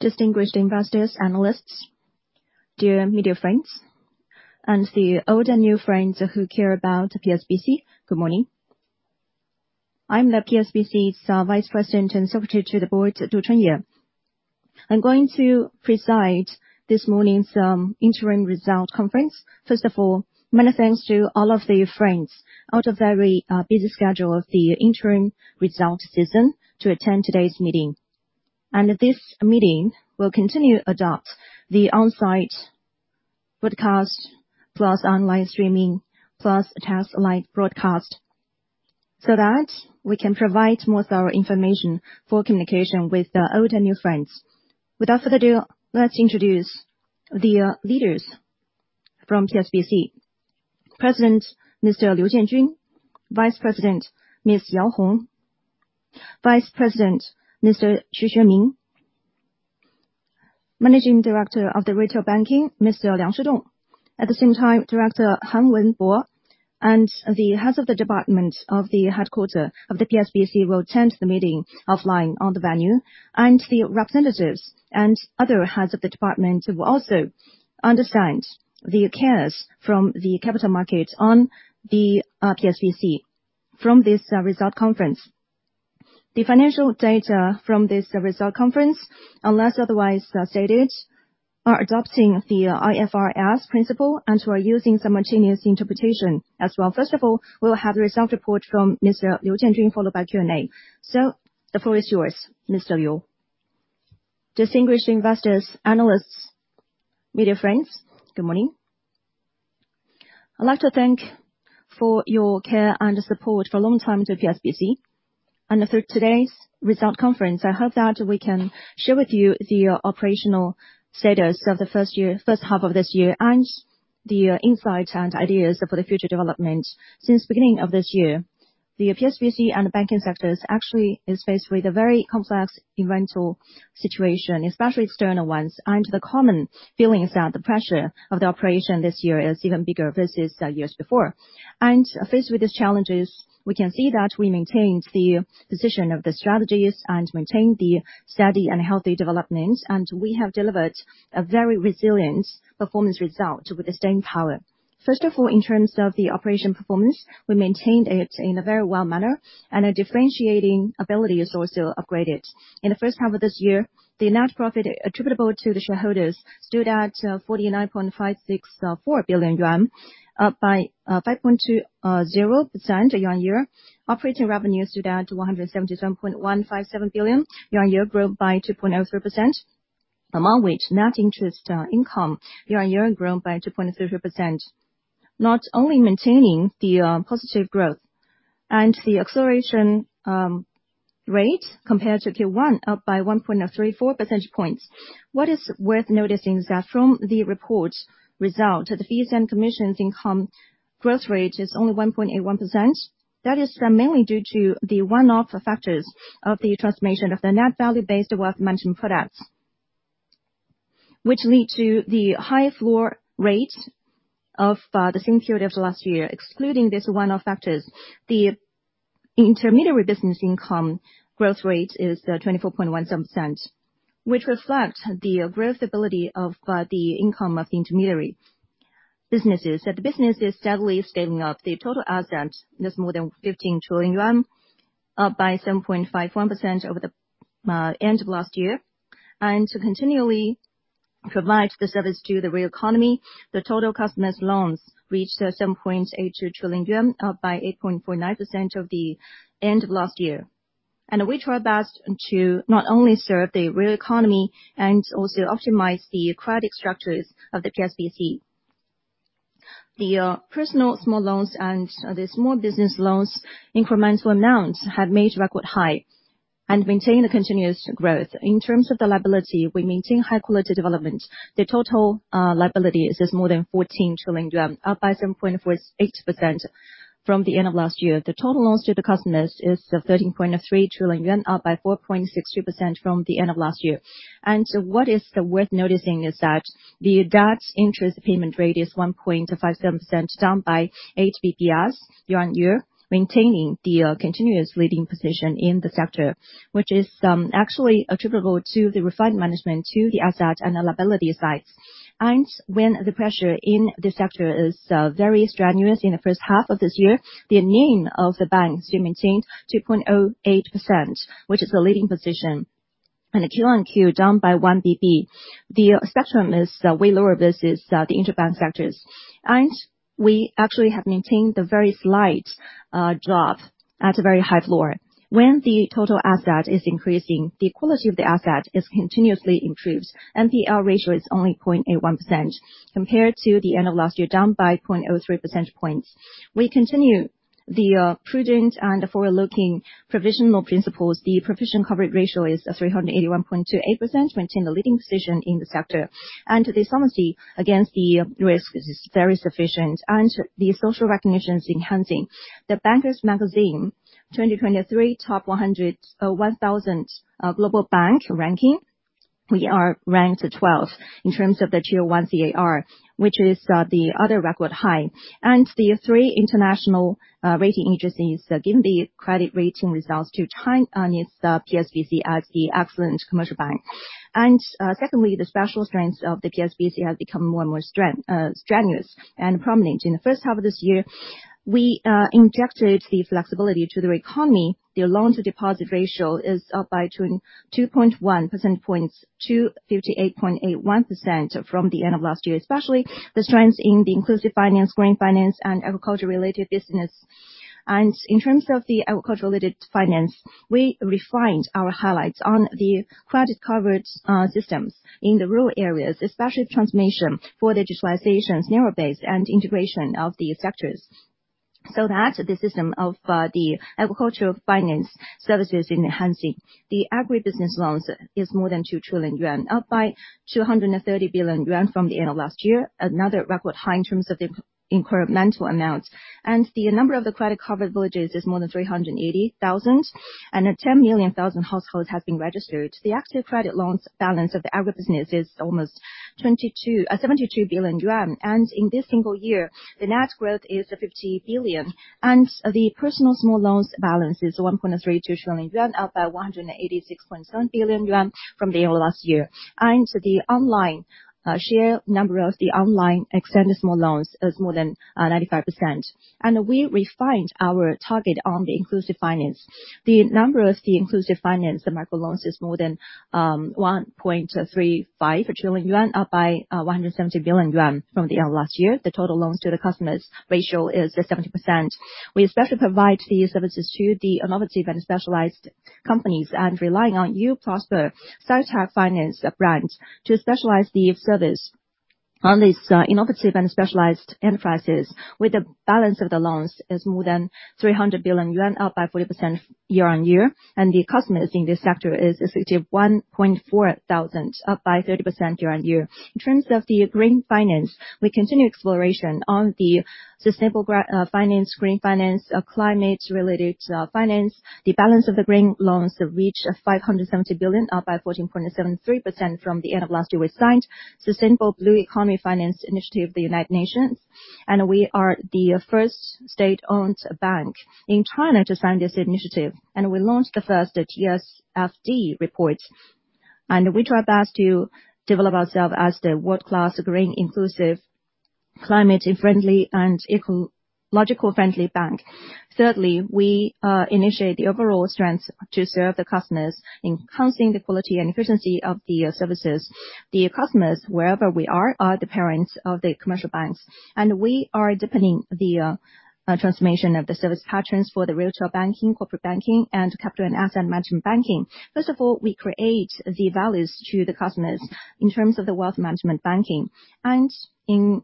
Distinguished investors, analysts, dear media friends, and the old and new friends who care about PSBC, good morning. I'm PSBC's vice president and secretary to the board, Du Chunye. I'm going to preside this morning's interim result conference. First of all, many thanks to all of the friends out of very busy schedule of the interim result season to attend today's meeting. This meeting will continue adopt the on-site broadcast, plus online streaming, plus satellite broadcast, so that we can provide more thorough information for communication with the old and new friends. Without further ado, let's introduce the leaders from PSBC. President Mr. Liu Jianjun, Vice President Ms. Yao Hong, Vice President Mr. Xu Xueming, Managing Director of Retail Banking Mr. Liang Shidong. At the same time, Director Han Wenbo and the heads of the department of the headquarters of the PSBC will attend the meeting offline on the venue, and the representatives and other heads of the department will also understand the cares from the capital market on the PSBC from this result conference. The financial data from this result conference, unless otherwise stated, are adopting the IFRS principle and we are using simultaneous interpretation as well. First of all, we'll have the result report from Mr. Liu Jianjun, followed by Q&A. So the floor is yours, Mr. Liu. Distinguished investors, analysts, media friends, good morning. I'd like to thank for your care and support for a long time to PSBC, and through today's result conference, I hope that we can share with you the operational status of the first year, first half of this year, and the insights and ideas for the future development. Since beginning of this year, the PSBC and the banking sectors actually is faced with a very complex environmental situation, especially external ones. The common feeling is that the pressure of the operation this year is even bigger versus the years before. Faced with these challenges, we can see that we maintained the position of the strategies and maintained the steady and healthy development, and we have delivered a very resilient performance result with the staying power. First of all, in terms of the operation performance, we maintained it in a very well manner, and our differentiating ability is also upgraded. In the first half of this year, the net profit attributable to the shareholders stood at 49.564 billion yuan, up by 5.20% year-on-year. Operating revenues stood at CNY 177.157 billion, year-on-year grew by 2.03%, among which net interest income year-on-year grew by 2.3%, not only maintaining the positive growth and the acceleration rate compared to Q1, up by 1.34 percentage points. What is worth noticing is that from the report result, the fees and commissions income growth rate is only 1.81%. That is, mainly due to the one-off factors of the transformation of the net value-based wealth management products, which lead to the higher floor rate of the same period of last year. Excluding these one-off factors, the intermediary business income growth rate is 24.17%, which reflects the growth ability of the income of the intermediary businesses. That the business is steadily scaling up. The total assets is more than 15 trillion yuan, up by 7.51% over the end of last year. To continually provide the service to the real economy, the total customers loans reached 7.82 trillion yuan, up by 8.49% of the end of last year. We try our best to not only serve the real economy and also optimize the credit structures of the PSBC. The personal small loans and the small business loans incremental amounts have reached record highs and maintained a continuous growth. In terms of the liability, we maintain high quality development. The total liabilities is more than 14 trillion yuan, up by 7.48% from the end of last year. The total loans to the customers is 13.3 trillion yuan, up by 4.62% from the end of last year. And what is worth noticing is that the debt interest payment rate is 1.57%, down by 8 basis points year-over-year, maintaining the continuous leading position in the sector, which is actually attributable to the refined management to the asset and the liability sides. When the pressure in the sector is very strenuous in the first half of this year, the NIM of the bank still maintained 2.08%, which is a leading position. The Q on Q, down by 1 BP. The spectrum is way lower versus the interbank sectors. We actually have maintained a very slight drop at a very high floor. When the total asset is increasing, the quality of the asset is continuously improved. NPR ratio is only 0.81% compared to the end of last year, down by 0.03 percentage points. We continue the prudent and forward-looking provisional principles. The provision coverage ratio is 381.28%, maintain the leading position in the sector. The solvency against the risk is very sufficient and the social recognition is enhancing. The Bankers Magazine 2023 top 100, 1,000 global bank ranking. We are ranked twelfth in terms of the Tier 1 CAR, which is the other record high. The three international rating agencies have given the credit rating results to China, on its PSBC as the excellent commercial bank. Secondly, the special strengths of the PSBC have become more and more strength, strenuous and prominent. In the first half of this year, we injected the flexibility to the economy. The loan-to-deposit ratio is up by 2.1 percentage points to 58.81% from the end of last year, especially the strengths in the inclusive finance, green finance, and agriculture-related business. In terms of the agriculture-related finance, we refined our highlights on the credit card systems in the rural areas, especially transformation for digitalizations, narrow-based, and integration of the sectors, so that the system of the agricultural finance services is enhancing. The agribusiness loans is more than 2 trillion yuan, up by 230 billion yuan from the end of last year, another record high in terms of the incremental amounts. The number of the credit card villages is more than 380,000, and 10 million households have been registered. The active credit loans balance of the agribusiness is almost 272 billion yuan. In this single year, the net growth is 50 billion, and the personal small loans balance is 1.32 trillion yuan, up by 186.7 billion yuan from the end of last year. The online share number of the online extended small loans is more than 95%. We refined our target on the inclusive finance. The number of the inclusive finance, the micro loans, is more than 1.35 trillion yuan, up by 170 billion yuan from the end of last year. The total loans to the customers ratio is 70%. We especially provide these services to the innovative and specialized companies, and relying on You Prosper SciTech Finance brand to specialize the service on these, innovative and specialized enterprises, where the balance of the loans is more than 300 billion yuan, up by 40% year-on-year, and the customers in this sector is 61.4 thousand, up by 30% year-on-year. In terms of the green finance, we continue exploration on the sustainable finance, green finance, climate-related, finance. The balance of the green loans reach 570 billion, up by 14.73% from the end of last year. We signed Sustainable Blue Economy Finance Initiative, the United Nations, and we are the first state-owned bank in China to sign this initiative. We launched the first, the TCFD report, and we try best to develop ourselves as the world-class green, inclusive, climate-friendly, and ecological-friendly bank. Thirdly, we initiate the overall strength to serve the customers, enhancing the quality and efficiency of the services. The customers, wherever we are, are the parents of the commercial banks, and we are deepening the transformation of the service patterns for the retail banking, corporate banking, and capital and asset management banking. First of all, we create the values to the customers in terms of the wealth management banking. In amount of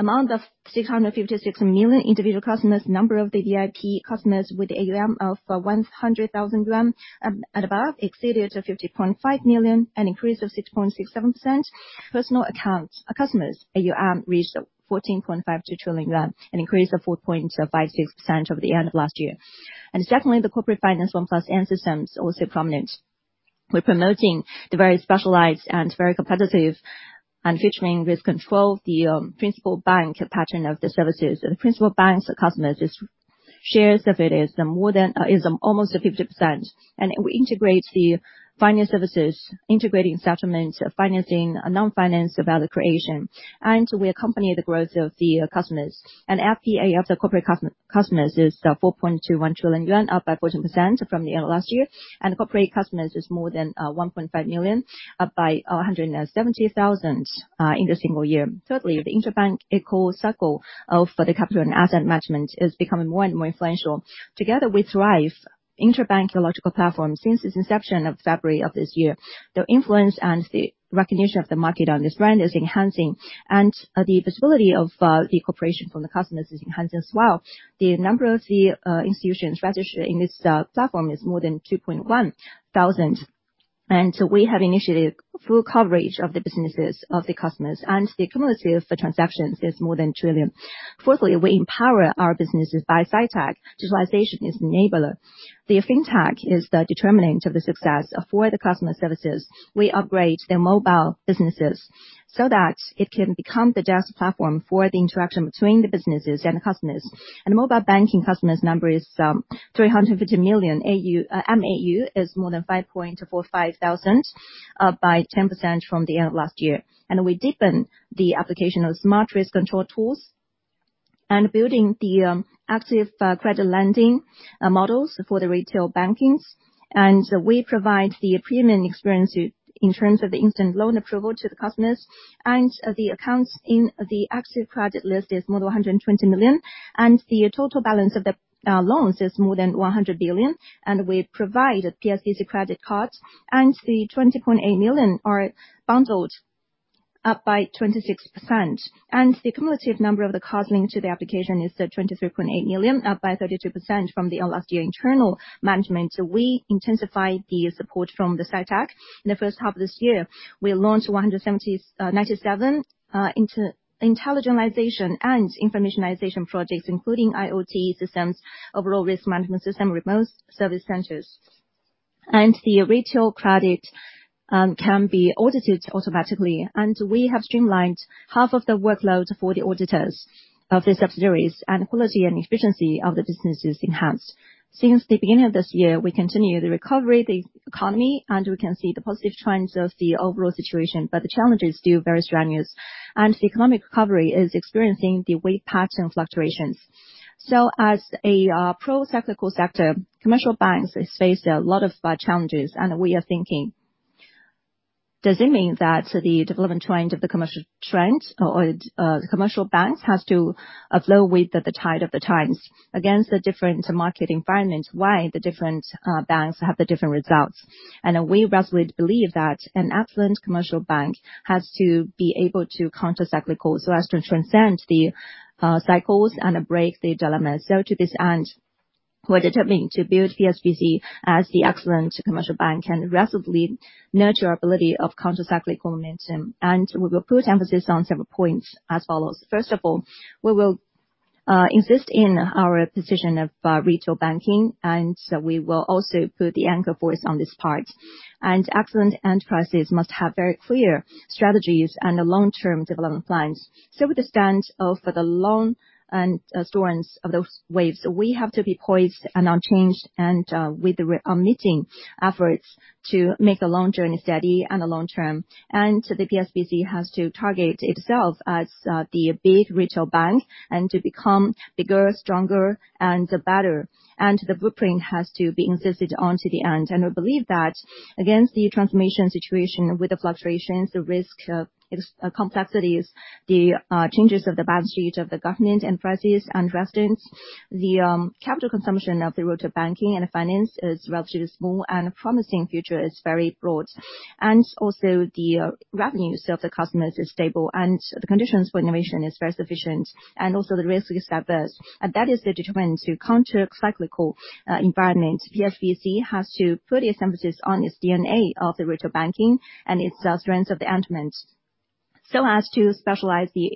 656 million individual customers, number of the VIP customers with AUM of 100,000 yuan and above exceeded to 50.5 million, an increase of 6.67%. Personal accounts customers AUM reached 14.52 trillion yuan, an increase of 4.56% over the end of last year. Secondly, the corporate finance one plus end system is also prominent. We're promoting the very specialized and very competitive, and featuring risk control, the principal bank pattern of the services. The principal bank's customers is shares of it is more than is almost 50%, and we integrate the finance services, integrating settlements, financing, non-finance, value creation, and we accompany the growth of the customers. And FPA of the corporate customers is 4.21 trillion yuan, up by 14% from the end of last year. And corporate customers is more than 1.5 million, up by 170,000 in the single year. Thirdly, the interbank eco-circle of the capital and asset management is becoming more and more influential. Together We Thrive interbank ecosystem platform. Since its inception in February of this year, the influence and the recognition of the market on this brand is enhancing, and, the visibility of, the cooperation from the customers is enhancing as well. The number of the, institutions registered in this, platform is more than 2,100, and so we have initiated full coverage of the businesses of the customers, and the cumulative transactions is more than 1 trillion. Fourthly, we empower our businesses by sci-tech. Digitalization is the enabler. The fintech is the determinant of the success for the customer services. We upgrade their mobile businesses so that it can become the best platform for the interaction between the businesses and the customers. Mobile banking customers number is 350 million. MAU is more than 5.45 thousand, up by 10% from the end of last year. We deepen the application of smart risk control tools, and building the active credit lending models for the retail banking. We provide the premium experience in terms of the instant loan approval to the customers, and the accounts in the active credit list is more than 120 million, and the total balance of the loans is more than 100 billion, and we provide a PSBC credit card, and the 20.8 million are bundled, up by 26%. The cumulative number of the cards linked to the application is 23.8 million, up by 32% from the last year internal management. So we intensify the support from the SciTech. In the first half of this year, we launched 197 intelligentization and informationization projects, including IoT systems, overall risk management system, remote service centers, and the retail credit can be audited automatically, and we have streamlined half of the workload for the auditors of the subsidiaries, and quality and efficiency of the business is enhanced. Since the beginning of this year, we continue the recovery of the economy, and we can see the positive trends of the overall situation, but the challenge is still very strenuous, and the economic recovery is experiencing the weight pattern fluctuations. So as a procyclical sector, commercial banks has faced a lot of challenges, and we are thinking, does it mean that the development trend of the commercial trend or the commercial banks has to flow with the tide of the times? Against the different market environments, why the different banks have the different results? We resolutely believe that an excellent commercial bank has to be able to countercyclical, so as to transcend the cycles and break the dilemma. So to this end, we're determining to build PSBC as the excellent commercial bank, and aggressively nurture our ability of countercyclical momentum, and we will put emphasis on several points as follows. First of all, we will insist in our position of retail banking, and we will also put the anchor voice on this part. Excellent enterprises must have very clear strategies and long-term development plans. So, to withstand the long and storms of those waves, we have to be poised and unchanged and, with relentless efforts to make a long journey steady and long-term. The PSBC has to target itself as the big retail bank and to become bigger, stronger, and better, and the blueprint has to be insisted on to the end. We believe that against the transformation situation with the fluctuations, the risk existing complexities, the changes of the balance sheet of the government, enterprises, and residents, the capital consumption of the retail banking and finance is relatively small, and promising future is very broad. Also, the revenues of the customers is stable, and the conditions for innovation is very sufficient, and also the risk is diverse. That is the determination to countercyclical environment. PSBC has to put its emphasis on its DNA of the retail banking and its strengths of the element, so as to specialize the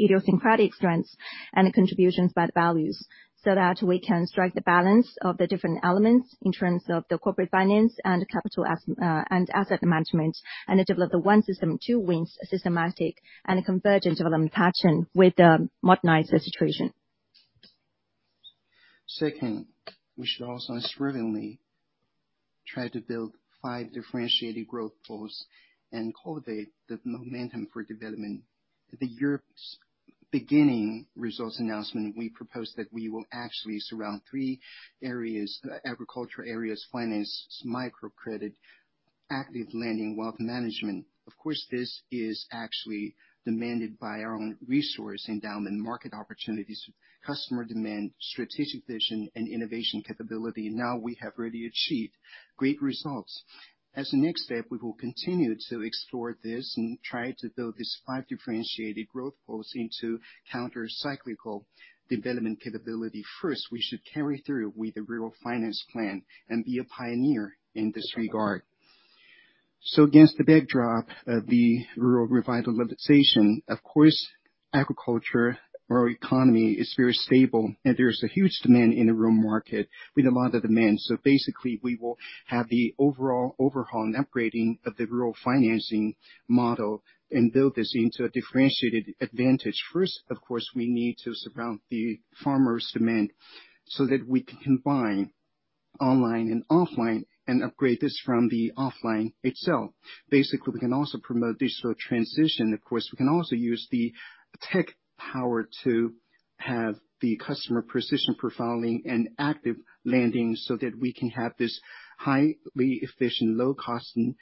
idiosyncratic strengths and contributions by the values, so that we can strike the balance of the different elements in terms of the corporate finance and capital and asset management, and develop the one system, two wings, systematic and convergent development pattern with the modernized situation. Second, we should also unswervingly try to build five differentiated growth poles and cultivate the momentum for development. The year's beginning results announcement, we proposed that we will actually surround three areas, agriculture areas, finance, microcredit, active lending, wealth management. Of course, this is actually demanded by our own resource endowment, market opportunities, customer demand, strategic vision, and innovation capability. Now, we have already achieved great results. As a next step, we will continue to explore this and try to build these five differentiated growth poles into countercyclical development capability. First, we should carry through with the rural finance plan and be a pioneer in this regard. So against the backdrop of the rural revitalization, of course, agriculture, rural economy is very stable, and there is a huge demand in the rural market with a lot of demand. So basically, we will have the overall overhaul and upgrading of the rural financing model and build this into a differentiated advantage. First, of course, we need to surround the farmers' demand so that we can combine online and offline and upgrade this from the offline itself. Basically, we can also promote digital transition. Of course, we can also use the tech power to have the customer precision profiling and active lending, so that we can have this highly efficient, low-cost and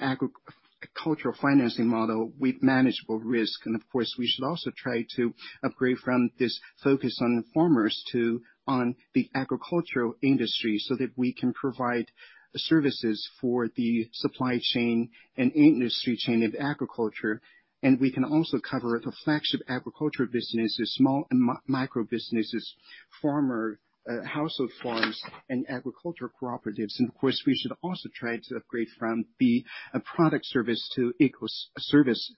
agricultural financing model with manageable risk. And of course, we should also try to upgrade from this focus on the farmers to on the agricultural industry, so that we can provide services for the supply chain and industry chain of agriculture. And we can also cover the flagship agriculture businesses, small and micro businesses, farmer household farms, and agriculture cooperatives. Of course, we should also try to upgrade from the product service to eco service,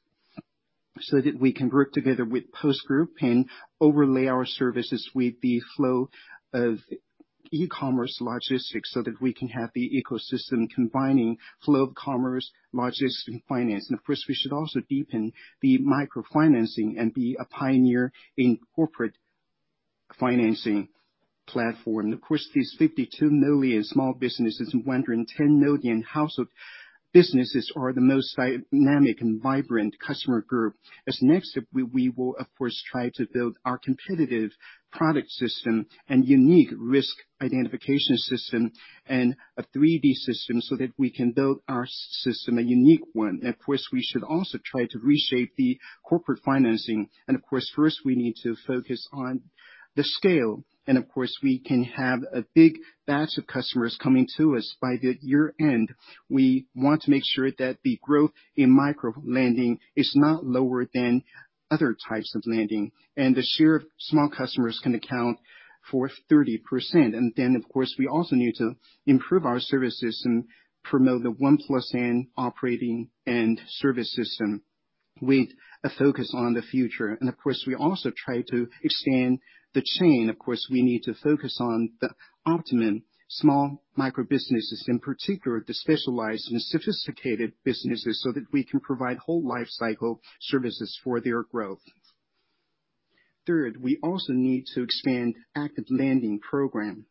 so that we can work together with Post Group and overlay our services with the flow of e-commerce logistics, so that we can have the ecosystem combining flow of commerce, logistics, and finance. Of course, we should also deepen the microfinancing and be a pioneer in corporate financing platform. Of course, these 52 million small businesses and 110 million household businesses are the most dynamic and vibrant customer group. As next step, we will of course try to build our competitive product system and unique risk identification system, and a 3D system, so that we can build our system a unique one. Of course, we should also try to reshape the corporate financing. Of course, first, we need to focus on the scale, and of course, we can have a big batch of customers coming to us by the year-end. We want to make sure that the growth in micro-lending is not lower than other types of lending, and the share of small customers can account for 30%. And then, of course, we also need to improve our services and promote the one plus N operating and service system... with a focus on the future, and of course, we also try to expand the chain. Of course, we need to focus on the optimum small micro businesses, in particular, to specialize in sophisticated businesses, so that we can provide whole life cycle services for their growth. Third, we also need to expand active lending program.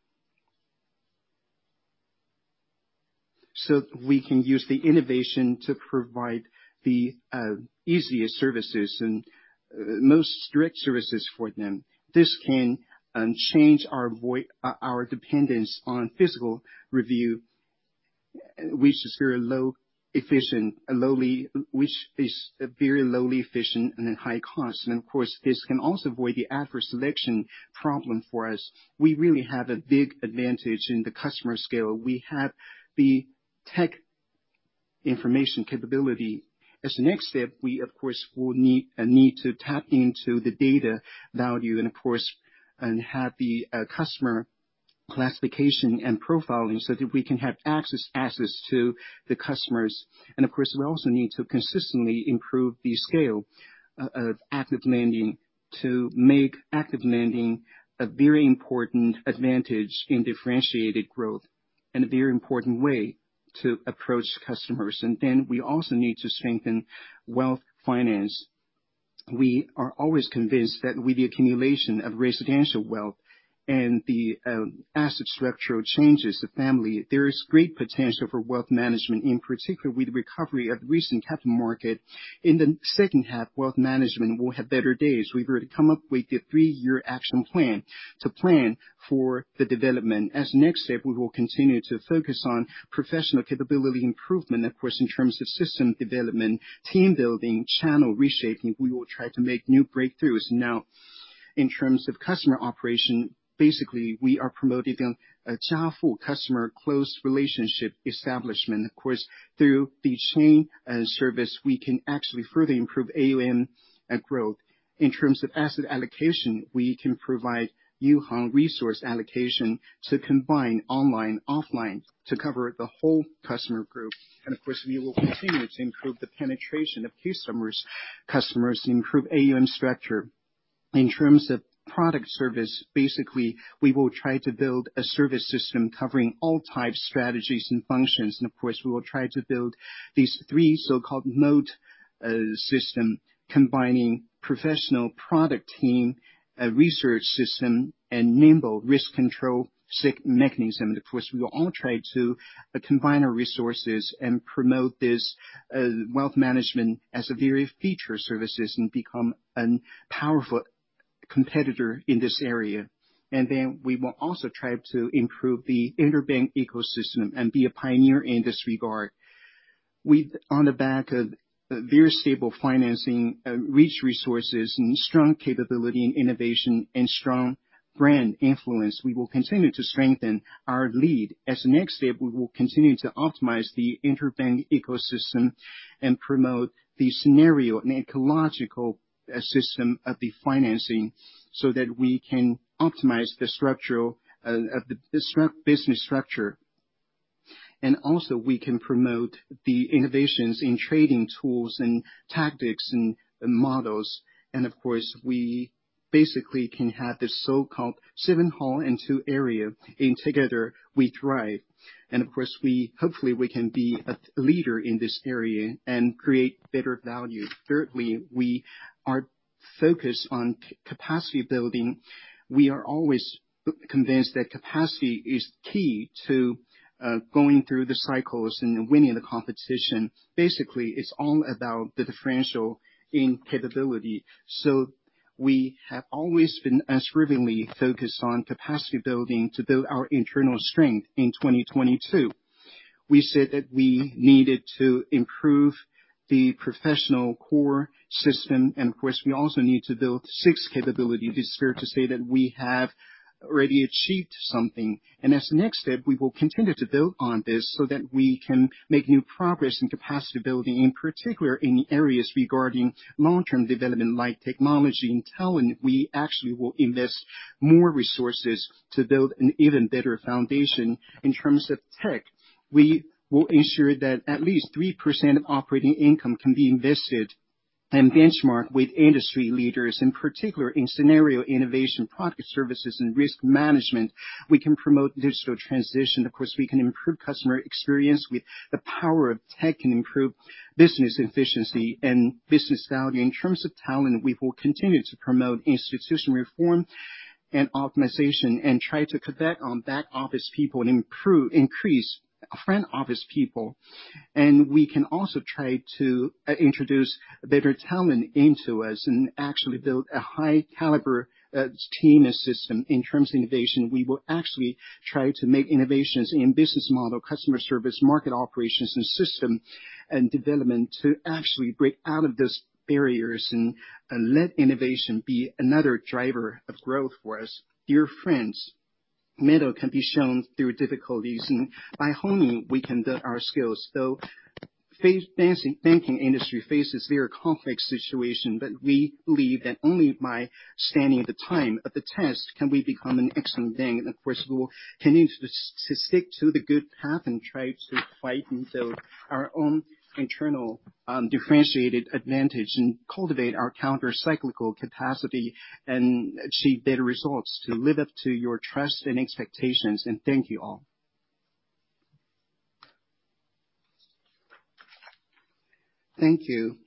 So we can use the innovation to provide the easiest services and most strict services for them. This can change our dependence on physical review, which is very low efficient and a high cost. And of course, this can also avoid the adverse selection problem for us. We really have a big advantage in the customer scale. We have the tech information capability. As the next step, we of course will need to tap into the data value, and of course have the customer classification and profiling, so that we can have access to the customers. And of course, we also need to consistently improve the scale of active lending, to make active lending a very important advantage in differentiated growth, and a very important way to approach customers. And then we also need to strengthen wealth finance. We are always convinced that with the accumulation of residential wealth and the asset structural changes, the family, there is great potential for wealth management, in particular, with the recovery of recent capital market. In the second half, wealth management will have better days. We've already come up with a three-year action plan to plan for the development. As next step, we will continue to focus on professional capability improvement. Of course, in terms of system development, team building, channel reshaping, we will try to make new breakthroughs. Now, in terms of customer operation, basically, we are promoting a Jiafu customer close relationship establishment. Of course, through the chain and service, we can actually further improve AUM and growth. In terms of asset allocation, we can provide Yuhang resource allocation to combine online, offline, to cover the whole customer group. And of course, we will continue to improve the penetration of customers, customers to improve AUM structure. In terms of product service, basically, we will try to build a service system covering all types, strategies and functions. And of course, we will try to build these three so-called mode, system, combining professional product team, a research system, and nimble risk control system mechanism. And of course, we will all try to combine our resources and promote this wealth management as a very feature services and become a powerful competitor in this area. And then we will also try to improve the interbank ecosystem and be a pioneer in this regard. With, on the back of, very stable financing, rich resources and strong capability in innovation and strong brand influence, we will continue to strengthen our lead. As the next step, we will continue to optimize the interbank ecosystem and promote the scenario and ecological system of the financing, so that we can optimize the structural business structure. And also, we can promote the innovations in trading tools and tactics and models. And of course, we basically can have this so-called seven hall and two area in Together We Thrive. And of course, we hopefully can be a leader in this area and create better value. Thirdly, we are focused on capacity building. We are always convinced that capacity is key to going through the cycles and winning the competition. Basically, it's all about the differential in capability. So we have always been as drivenly focused on capacity building to build our internal strength in 2022. We said that we needed to improve the professional core system, and of course, we also need to build six capability. It is fair to say that we have already achieved something, and as the next step, we will continue to build on this so that we can make new progress in capacity building, in particular, in the areas regarding long-term development, like technology and talent. We actually will invest more resources to build an even better foundation. In terms of tech, we will ensure that at least 3% of operating income can be invested and benchmarked with industry leaders, in particular, in scenario innovation, product services, and risk management. We can promote digital transition. Of course, we can improve customer experience with the power of tech, and improve business efficiency and business value. In terms of talent, we will continue to promote institutional reform and optimization, and try to cut back on back office people and increase front office people. And we can also try to introduce better talent into us, and actually build a high caliber team assistant. In terms of innovation, we will actually try to make innovations in business model, customer service, market operations, and system and development, to actually break out of those barriers and let innovation be another driver of growth for us. Dear friends, metal can be shown through difficulties, and by honing, we can build our skills. Though the banking industry faces a very complex situation, but we believe that only by withstanding the test of time can we become an excellent bank, and of course, we will continue to, to stick to the good path and try to fight and build our own internal differentiated advantage and cultivate our countercyclical capacity and achieve better results to live up to your trust and expectations. And thank you all. Thank you,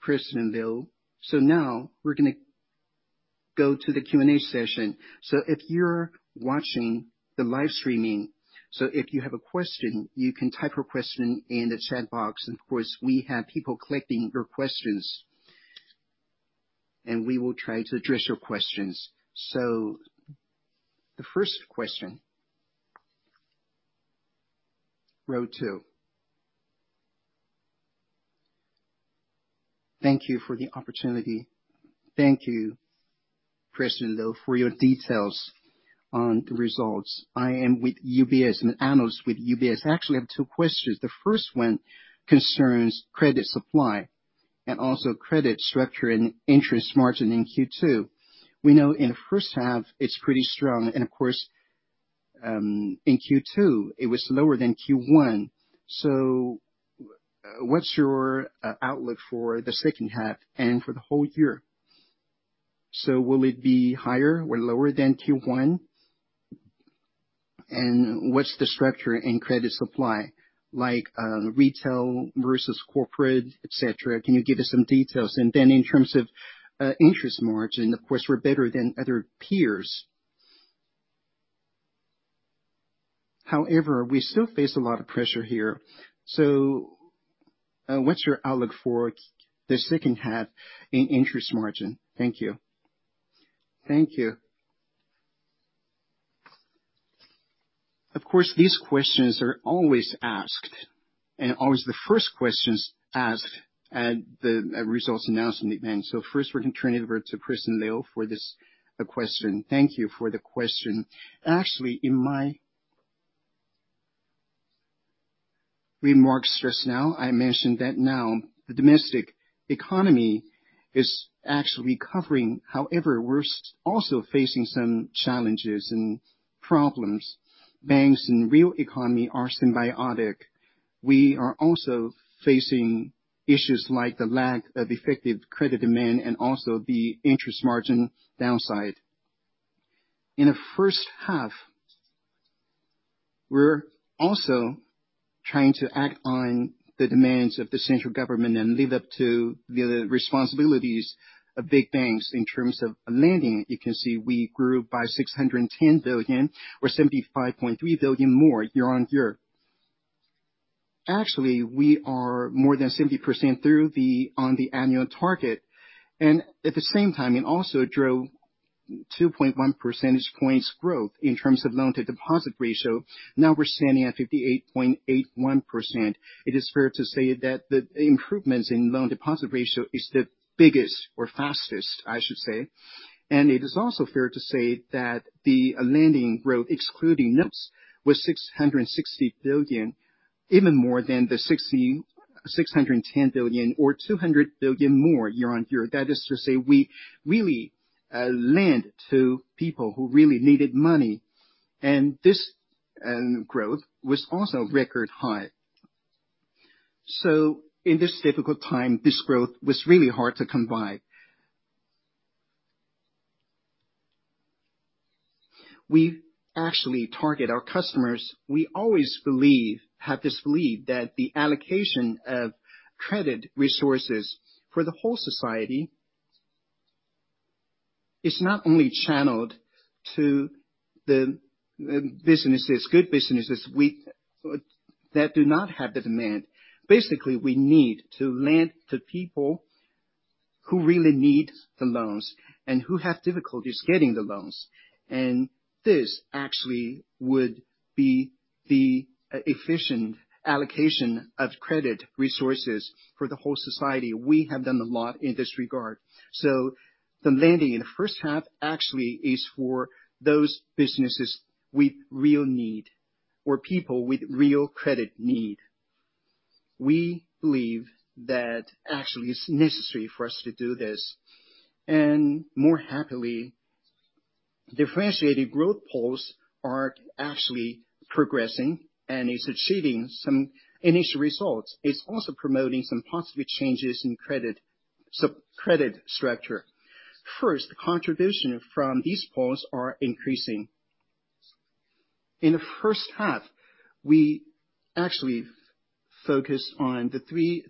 Chris and Leo. So now we're going to go to the Q&A session. So if you're watching the live streaming, so if you have a question, you can type your question in the chat box. And of course, we have people collecting your questions. And we will try to address your questions. So the first question. Row two. Thank you for the opportunity. Thank you, Chris and Leo, for your details on the results. I am with UBS, an analyst with UBS. I actually have two questions. The first one concerns credit supply and also credit structure and interest margin in Q2. We know in the first half, it's pretty strong, and of course, in Q2, it was lower than Q1. So what's your outlook for the second half and for the whole year? So will it be higher or lower than Q1? And what's the structure in credit supply, like, retail versus corporate, et cetera? Can you give us some details? And then in terms of interest margin, of course, we're better than other peers. However, we still face a lot of pressure here. So, what's your outlook for the second half in interest margin? Thank you. Thank you. Of course, these questions are always asked, and always the first questions asked at the results announcement. First, we can turn it over to Chris and Leo for this question. Thank you for the question. Actually, in my remarks just now, I mentioned that now the domestic economy is actually recovering. However, we're also facing some challenges and problems. Banks and real economy are symbiotic. We are also facing issues like the lack of effective credit demand and also the interest margin downside. In the first half, we're also trying to act on the demands of the central government and live up to the responsibilities of big banks in terms of lending. You can see we grew by 610 billion, or 75.3 billion more year-on-year. Actually, we are more than 70% through the year, on the annual target, and at the same time, it also drove 2.1 percentage points growth in terms of loan to deposit ratio. Now we're standing at 58.81%. It is fair to say that the improvements in loan deposit ratio is the biggest or fastest, I should say. It is also fair to say that the lending growth, excluding NIMPs, was 660 billion, even more than the 6,610 billion or 200 billion more year-on-year. That is to say, we really lend to people who really needed money, and this growth was also record high. In this difficult time, this growth was really hard to come by. We actually target our customers. We always believe, have this belief, that the allocation of credit resources for the whole society is not only channeled to the businesses, good businesses, that do not have the demand. Basically, we need to lend to people who really need the loans and who have difficulties getting the loans, and this actually would be the efficient allocation of credit resources for the whole society. We have done a lot in this regard. So the lending in the first half actually is for those businesses with real need or people with real credit need. We believe that actually it's necessary for us to do this, and more happily, differentiated growth poles are actually progressing and is achieving some initial results. It's also promoting some positive changes in credit, sub-credit structure. First, contribution from these poles are increasing. In the first half, we actually focused on the three: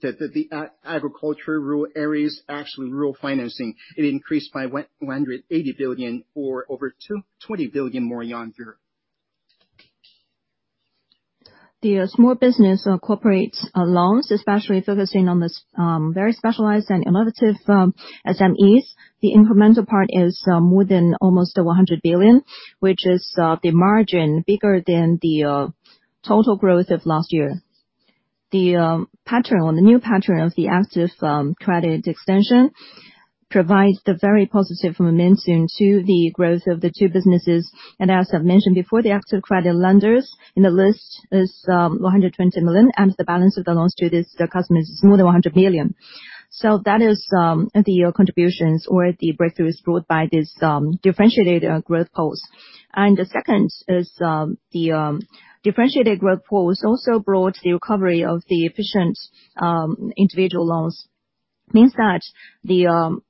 agriculture, rural areas, actually rural financing. It increased by 180 billion or over 20 billion yuan more year-on-year. The small business corporates loans, especially focusing on the very specialized and innovative SMEs, the incremental part is more than almost 100 billion, which is the margin bigger than the total growth of last year. The pattern or the new pattern of the active credit extension provides the very positive momentum to the growth of the two businesses. And as I've mentioned before, the active credit lenders in the list is 120 million, and the balance of the loans to this the customer is more than 100 million. So that is the year contributions or the breakthrough is brought by this differentiated growth poles. And the second is the differentiated growth poles also brought the recovery of the efficient individual loans. Means that the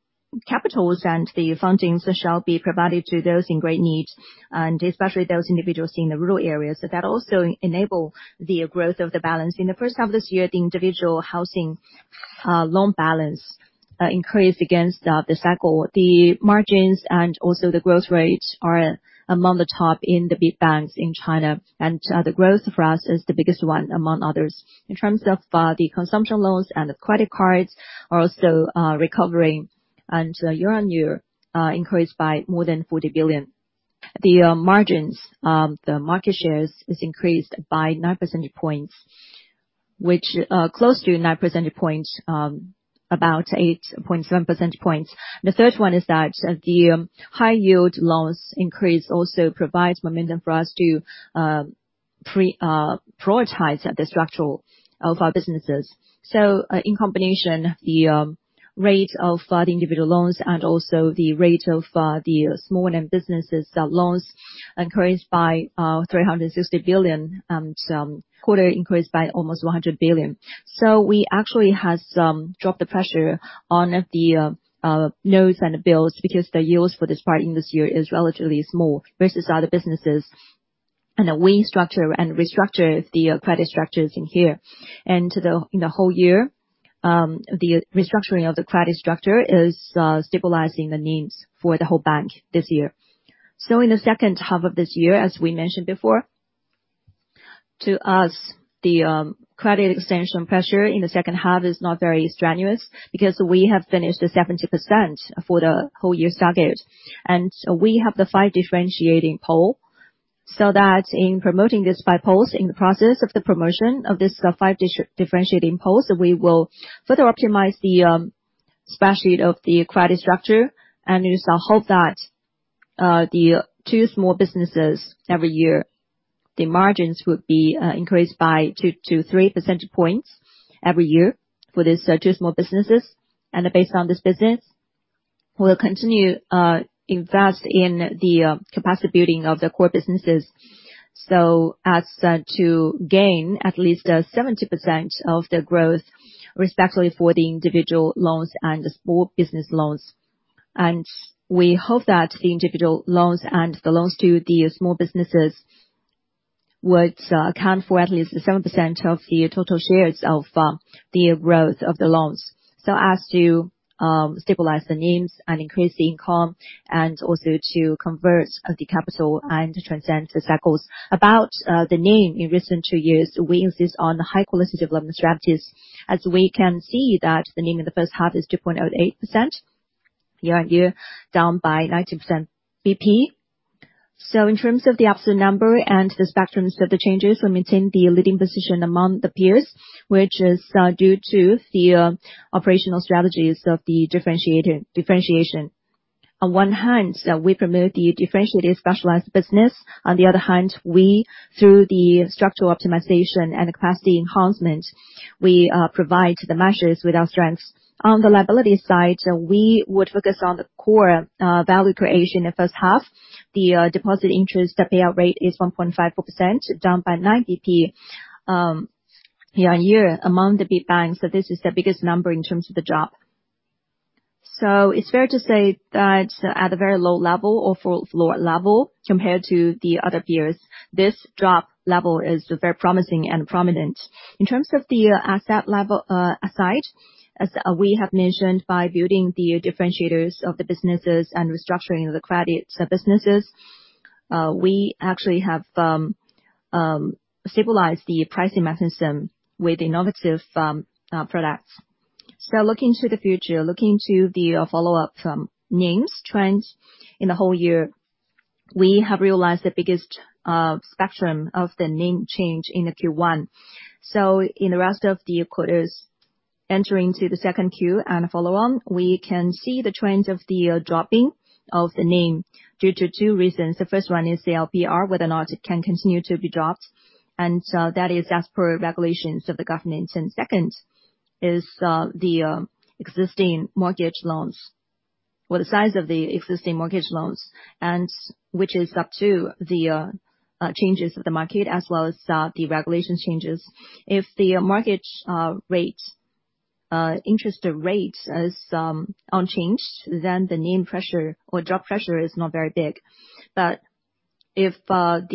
capitals and the fundings shall be provided to those in great need, and especially those individuals in the rural areas. So that also enable the growth of the balance. In the first half of this year, the individual housing loan balance increased against the cycle. The margins and also the growth rates are among the top in the big banks in China, and the growth for us is the biggest one among others. In terms of the consumption loans and the credit cards are also recovering and year-on-year increased by more than 40 billion. The margins the market shares is increased by 9 percentage points, which close to 9 percentage points, about 8.7 percentage points. The third one is that the high yield loans increase also provides momentum for us to prioritize the structural of our businesses. So, in combination, the rate of the individual loans and also the rate of the small end businesses loans increased by 360 billion, and some quarter increased by almost 100 billion. So we actually has dropped the pressure on the notes and bills because the yields for this part in this year is relatively small versus other businesses. And, we structure and restructure the credit structures in here. And in the whole year, the restructuring of the credit structure is stabilizing the NIMs for the whole bank this year. In the second half of this year, as we mentioned before, to us, the credit extension pressure in the second half is not very strenuous because we have finished the 70% for the whole year target, and we have the five differentiating pole. So that in promoting this five poles, in the process of the promotion of this five differentiating poles, we will further optimize the spread sheet of the credit structure, and is hope that the two small businesses every year, the margins would be increased by 2-3 percentage points every year for this two small businesses. Based on this business, we'll continue invest in the capacity building of the core businesses, so as to gain at least 70% of the growth, respectfully, for the individual loans and the small business loans. We hope that the individual loans and the loans to the small businesses would account for at least 7% of the total shares of the growth of the loans. So as to stabilize the NIMs and increase the income, and also to convert the capital and transcend the cycles. About the NIM in recent two years, we insist on the high quality development strategies, as we can see that the NIM in the first half is 2.08%, year-on-year, down by 90 basis points. So in terms of the absolute number and the spectrums of the changes, we maintain the leading position among the peers, which is due to the operational strategies of the differentiated differentiation. On one hand, we promote the differentiated specialized business. On the other hand, through the structural optimization and capacity enhancement, we provide the measures with our strengths. On the liability side, we would focus on the core value creation in first half. The deposit interest, the payout rate is 1.54%, down by 9 BP, year-on-year. Among the big banks, so this is the biggest number in terms of the drop. So it's fair to say that at a very low level or for lower level, compared to the other peers, this drop level is very promising and prominent. In terms of the asset level, as we have mentioned, by building the differentiators of the businesses and restructuring the credit businesses, we actually have stabilized the pricing mechanism with innovative products. So looking to the future, looking to the follow-up from NIMs trends in the whole year, we have realized the biggest spectrum of the NIM change in the Q1. So in the rest of the quarters, entering to the second Q and follow on, we can see the trends of the dropping of the NIM due to two reasons. The first one is the LPR, whether or not it can continue to be dropped, and that is as per regulations of the government. And second is the existing mortgage loans, or the size of the existing mortgage loans, and which is up to the changes of the market, as well as the regulation changes. If the mortgage rate interest rate is unchanged, then the NIM pressure or drop pressure is not very big. But if there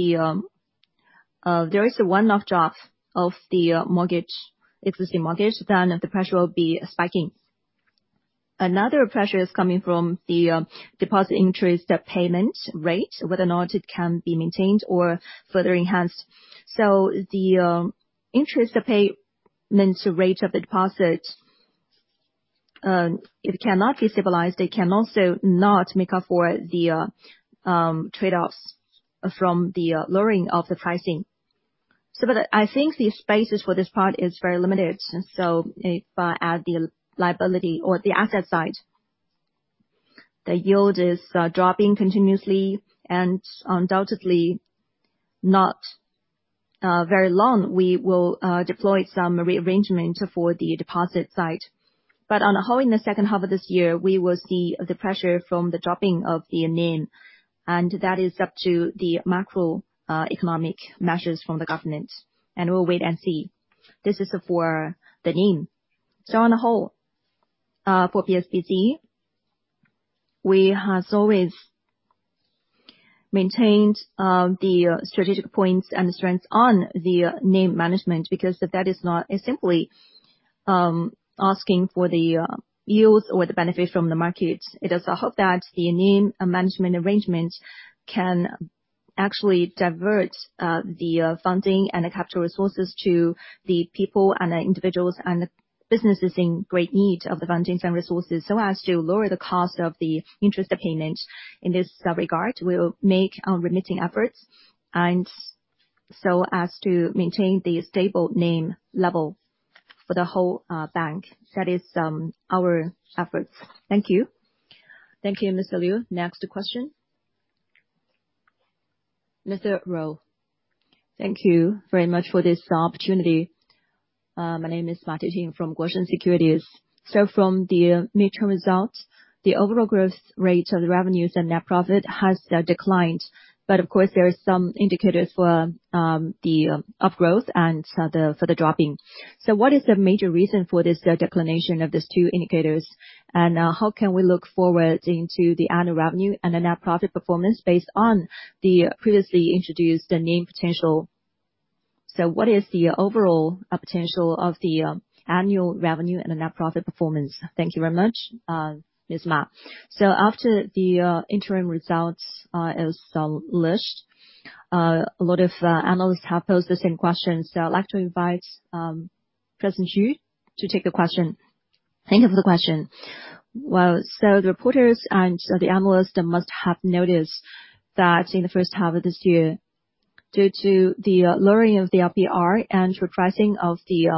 is a one-off drop of the mortgage, existing mortgage, then the pressure will be spiking. Another pressure is coming from the deposit interest payment rate, whether or not it can be maintained or further enhanced. So the interest pay means the rate of the deposit; it cannot be stabilized, it can also not make up for the trade-offs from the lowering of the pricing. But I think the spaces for this part is very limited, so if at the liability or the asset side, the yield is dropping continuously and undoubtedly not very long, we will deploy some rearrangement for the deposit side. But on the whole, in the second half of this year, we will see the pressure from the dropping of the NIM, and that is up to the macroeconomic measures from the government, and we'll wait and see. This is for the NIM. So on the whole, for PSBC, we has always maintained the strategic points and the strengths on the NIM management, because that is not simply asking for the yields or the benefit from the market. It is the hope that the NIM management arrangement can actually divert the funding and the capital resources to the people and the individuals and the businesses in great need of the funding and resources, so as to lower the cost of the interest payment. In this regard, we'll make our remitting efforts and so as to maintain the stable NIM level for the whole bank. That is our efforts. Thank you. Thank you, Ms. Liu. Next question? Mr. Roe. Thank you very much for this opportunity. My name is Ma Tejin from Guosheng Securities. So from the midterm results, the overall growth rate of the revenues and net profit has declined. But of course, there is some indicator of growth and for the dropping. So what is the major reason for this declination of these two indicators? And how can we look forward into the annual revenue and the net profit performance based on the previously introduced NIM potential? So what is the overall potential of the annual revenue and the net profit performance? Thank you very much, Ms. Ma. So after the interim results is listed, a lot of analysts have posed the same question. So I'd like to invite President Yu to take the question. Thank you for the question. Well, so the reporters and the analysts must have noticed that in the first half of this year, due to the lowering of the LPR and repricing of the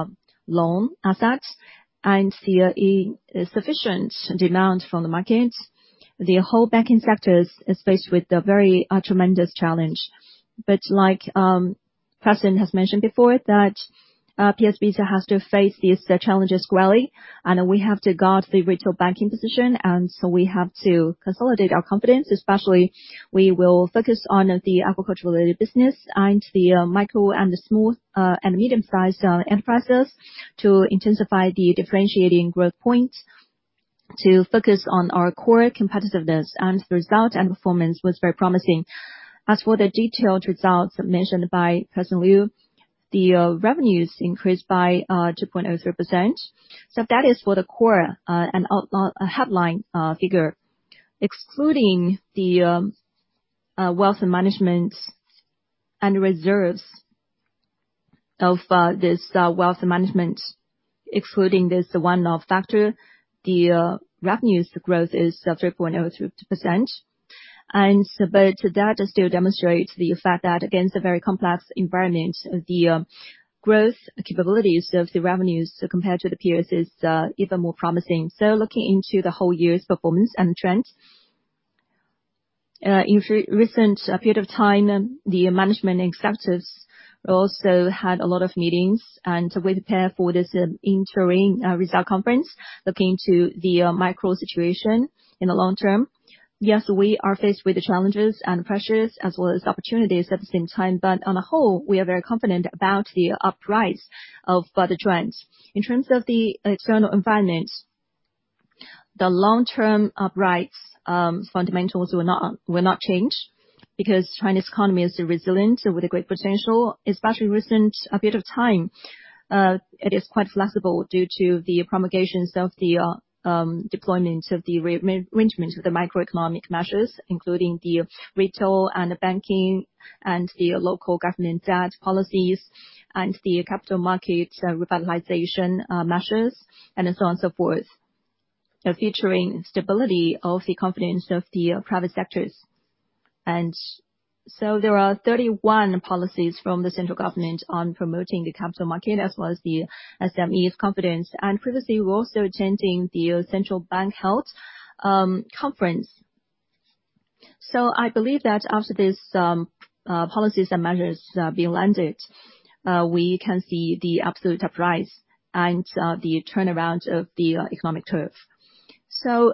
loan assets and the insufficient demand from the market, the whole banking sector is faced with a very tremendous challenge. But like, President has mentioned before, that PSBC has to face these challenges squarely, and we have to guard the retail banking position, and so we have to consolidate our confidence. Especially, we will focus on the agriculture-related business and the micro and the small and medium-sized enterprises, to intensify the differentiating growth point, to focus on our core competitiveness, and the result and performance was very promising. As for the detailed results mentioned by President Liu, the revenues increased by 2.03%. So that is for the core and outline headline figure. Excluding the wealth management and reserves of this wealth management, excluding this one-off factor, the revenues growth is 3.03%. But that still demonstrates the fact that against a very complex environment, the growth capabilities of the revenues, so compared to the peers, is even more promising. So looking into the whole year's performance and trends in recent period of time, the management executives also had a lot of meetings and to well prepare for this interim result conference, looking to the micro situation in the long term. Yes, we are faced with the challenges and pressures as well as opportunities at the same time, but on the whole, we are very confident about the uprise of other trends. In terms of the external environment, the long-term uprise fundamentals will not, will not change, because Chinese economy is resilient with a great potential. Especially recent a period of time, it is quite flexible due to the promulgations of the deployment of the rearrangement of the macroeconomic measures, including the retail and the banking and the local government debt policies, and the capital market revitalization measures, and so on, so forth, featuring stability of the confidence of the private sectors. And so there are 31 policies from the central government on promoting the capital market as well as the SMEs' confidence. And previously, we're also attending the central bank health conference. So I believe that after these policies and measures being landed, we can see the absolute uprise and the turnaround of the economic curve. So,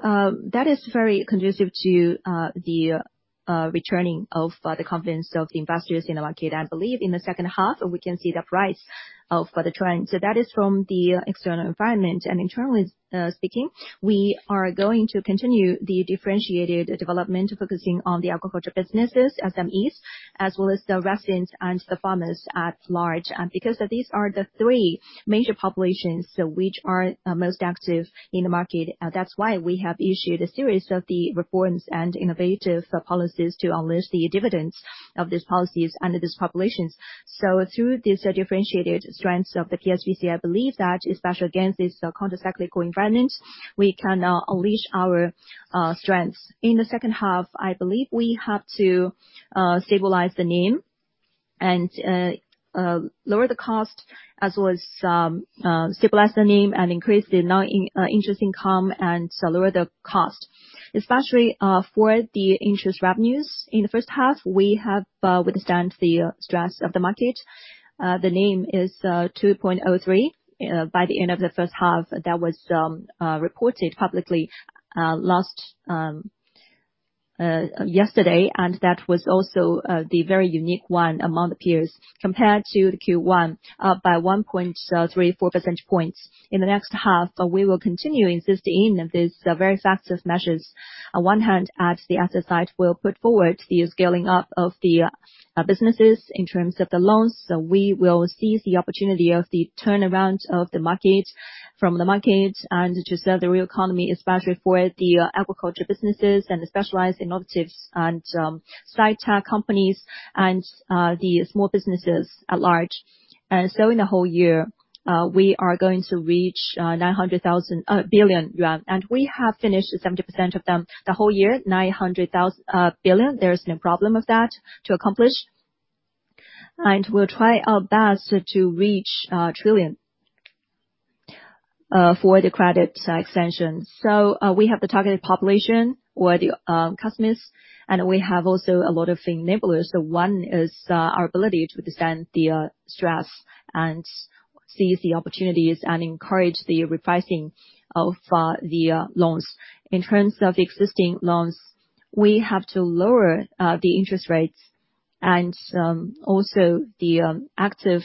that is very conducive to the returning of the confidence of the investors in the market. I believe in the second half, we can see the uprise of the trend. So that is from the external environment. And internally speaking, we are going to continue the differentiated development, focusing on the agriculture businesses, SMEs, as well as the residents and the farmers at large. Because these are the three major populations which are most active in the market, that's why we have issued a series of the reforms and innovative policies to unleash the dividends of these policies under these populations. So through these differentiated strengths of the PSBC, I believe that especially against this countercyclical environment, we can unleash our strengths. In the second half, I believe we have to stabilize the NIM. Lower the cost as well as stabilize the NIM and increase the non-interest income and so lower the cost. Especially for the interest revenues in the first half, we have withstand the stress of the market. The NIM is 2.03 by the end of the first half. That was reported publicly last yesterday, and that was also the very unique one among the peers. Compared to the Q1, up by 1.34 percentage points. In the next half, we will continue insisting these very effective measures. On one hand, at the asset side, we'll put forward the scaling up of the businesses in terms of the loans, so we will seize the opportunity of the turnaround of the market from the market, and to serve the real economy, especially for the agriculture businesses and the specialized innovative and sci-tech companies and the small businesses at large. So in the whole year, we are going to reach 900 billion yuan, and we have finished 70% of them. The whole year, nine hundred billion, there is no problem of that to accomplish. And we'll try our best to reach 1 trillion for the credit extension. So we have the targeted population or the customers, and we have also a lot of enablers. One is, our ability to withstand the, stress and seize the opportunities and encourage the repricing of, the, loans. In terms of existing loans, we have to lower, the interest rates, and, also the, active,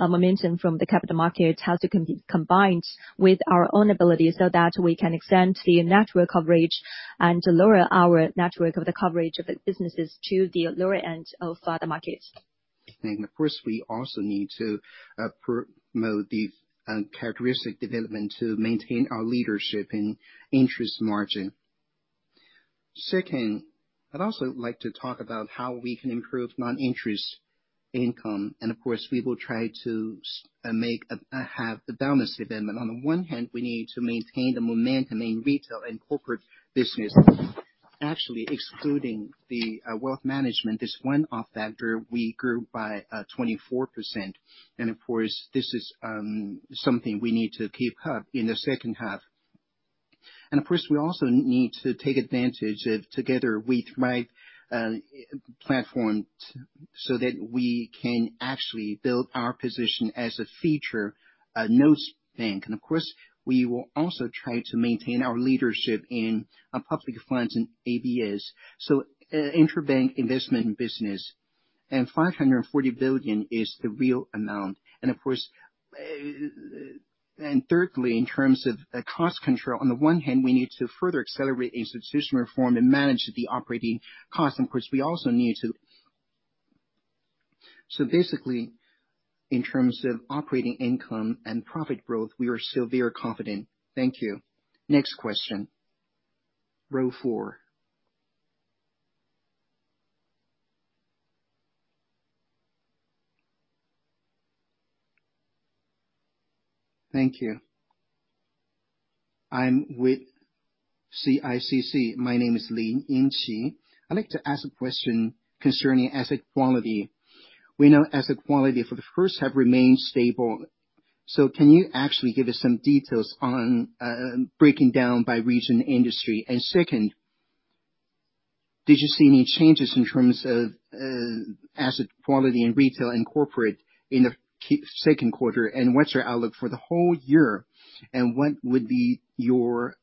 momentum from the capital markets has to combined with our own ability so that we can extend the network coverage and lower our network of the coverage of the businesses to the lower end of, the market. Of course, we also need to promote the characteristic development to maintain our leadership in interest margin. Second, I'd also like to talk about how we can improve non-interest income, and of course, we will try to make a balanced development. On the one hand, we need to maintain the momentum in retail and corporate business. Actually, excluding the wealth management, this one-off factor, we grew by 24%. And of course, this is something we need to keep up in the second half. And of course, we also need to take advantage of Together We Thrive platform, so that we can actually build our position as a featured retail bank. And of course, we will also try to maintain our leadership in public funds and ABS, so interbank investment business, and 540 billion is the real amount. And of course... And thirdly, in terms of cost control, on the one hand, we need to further accelerate institutional reform and manage the operating costs, and of course, we also need to— So basically, in terms of operating income and profit growth, we are still very confident. Thank you. Next question, row four. Thank you. I'm with CICC. My name is Lin Yingqi. I'd like to ask a question concerning asset quality. We know asset quality for the first half remained stable, so can you actually give us some details on breaking down by region industry? Second, did you see any changes in terms of asset quality in retail and corporate in the second quarter, and what's your outlook for the whole year? And what would be your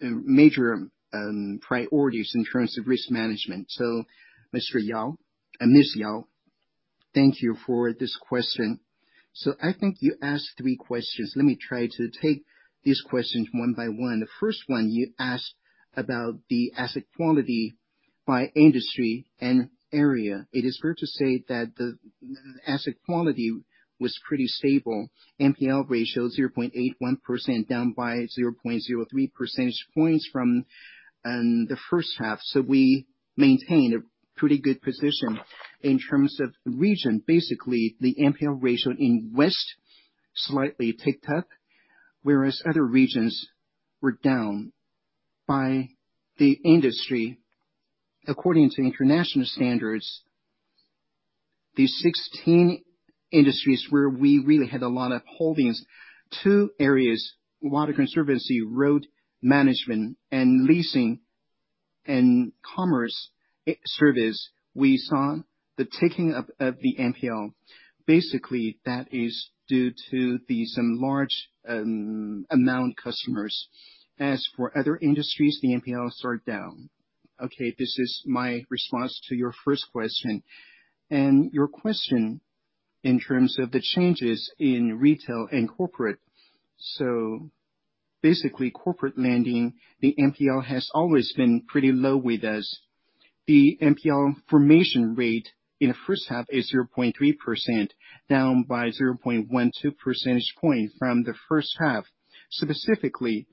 major priorities in terms of risk management? So, Mr. Yao and Ms. Yao, thank you for this question. So I think you asked three questions. Let me try to take these questions one by one. The first one, you asked about the asset quality by industry and area. It is fair to say that the asset quality was pretty stable. NPL ratio 0.81%, down by 0.03 percentage points from the first half. So we maintained a pretty good position. In terms of region, basically, the NPL ratio in west slightly ticked up, whereas other regions were down. By the industry, according to international standards, the 16 industries where we really had a lot of holdings, two areas, water conservancy, road management and leasing and commerce, service, we saw the ticking up of the NPL. Basically, that is due to some large amount customers. As for other industries, the NPLs are down. Okay, this is my response to your first question. Your question in terms of the changes in retail and corporate, so basically, corporate lending, the NPL has always been pretty low with us. The NPL formation rate in the first half is 0.3%, down by 0.12 percentage point from the first half. Specifically,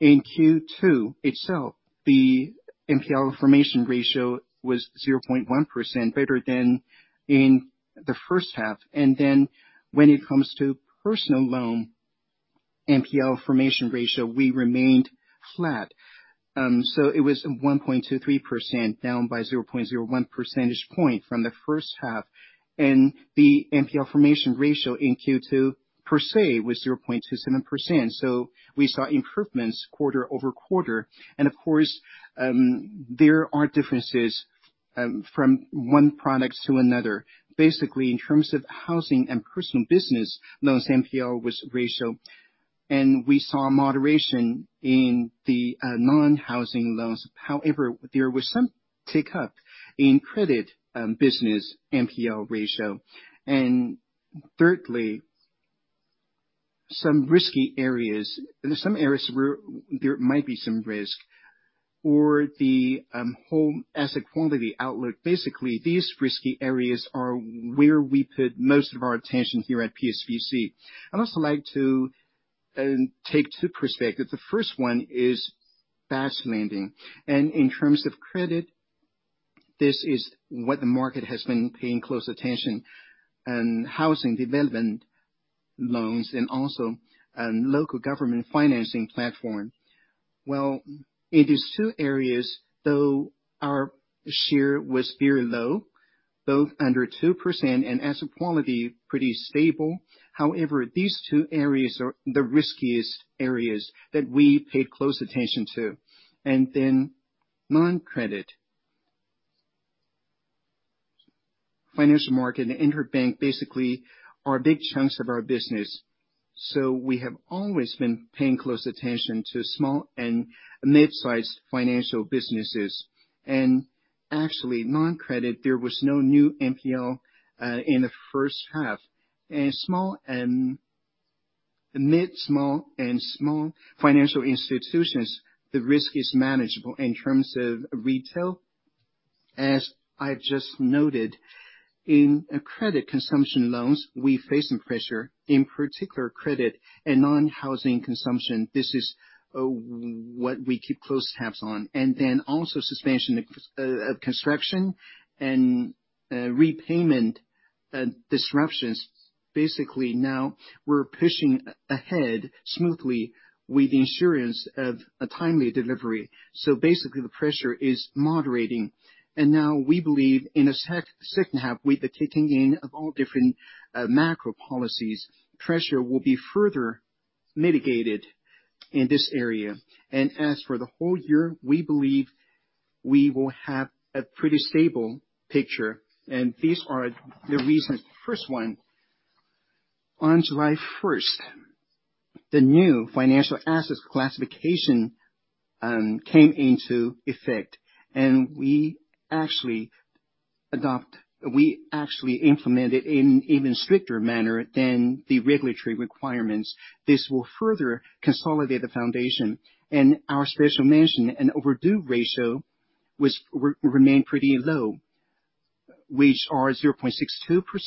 in Q2 itself, the NPL formation ratio was 0.1%, better than in the first half. Then when it comes to personal loan NPL formation ratio, we remained flat. So it was 1.23%, down by 0.01 percentage point from the first half, and the NPL formation ratio in Q2 per se was 0.27%. So we saw improvements quarter-over-quarter. And of course, there are differences from one product to another. Basically, in terms of housing and personal business, loans NPL was ratio, and we saw moderation in the non-housing loans. However, there was some tick up in credit business NPL ratio. And thirdly, some risky areas—there's some areas where there might be some risk or the home asset quality outlook. Basically, these risky areas are where we put most of our attention here at PSBC. I'd also like to take two perspectives. The first one is fast lending, and in terms of credit, this is what the market has been paying close attention, and housing development loans and also local government financing platform. Well, it is two areas, though, our share was very low, both under 2%, and asset quality pretty stable. However, these two areas are the riskiest areas that we paid close attention to. And then non-credit. Financial market and interbank basically are big chunks of our business. So we have always been paying close attention to small and mid-sized financial businesses. And actually, non-credit, there was no new NPL in the first half. And small and mid, small and small financial institutions, the risk is manageable in terms of retail, as I've just noted, in credit consumption loans, we face some pressure, in particular, credit and non-housing consumption. This is what we keep close tabs on. And then also suspension of construction and repayment disruptions. Basically, now we're pushing ahead smoothly with the assurance of a timely delivery. So basically, the pressure is moderating. And now we believe in a second half, with the kicking in of all different macro policies, pressure will be further mitigated in this area. And as for the whole year, we believe we will have a pretty stable picture, and these are the reasons. First one: on July first, the new financial assets classification came into effect, and we actually implement it in even stricter manner than the regulatory requirements. This will further consolidate the foundation, and our special mention and overdue ratio remain pretty low, which are 0.62%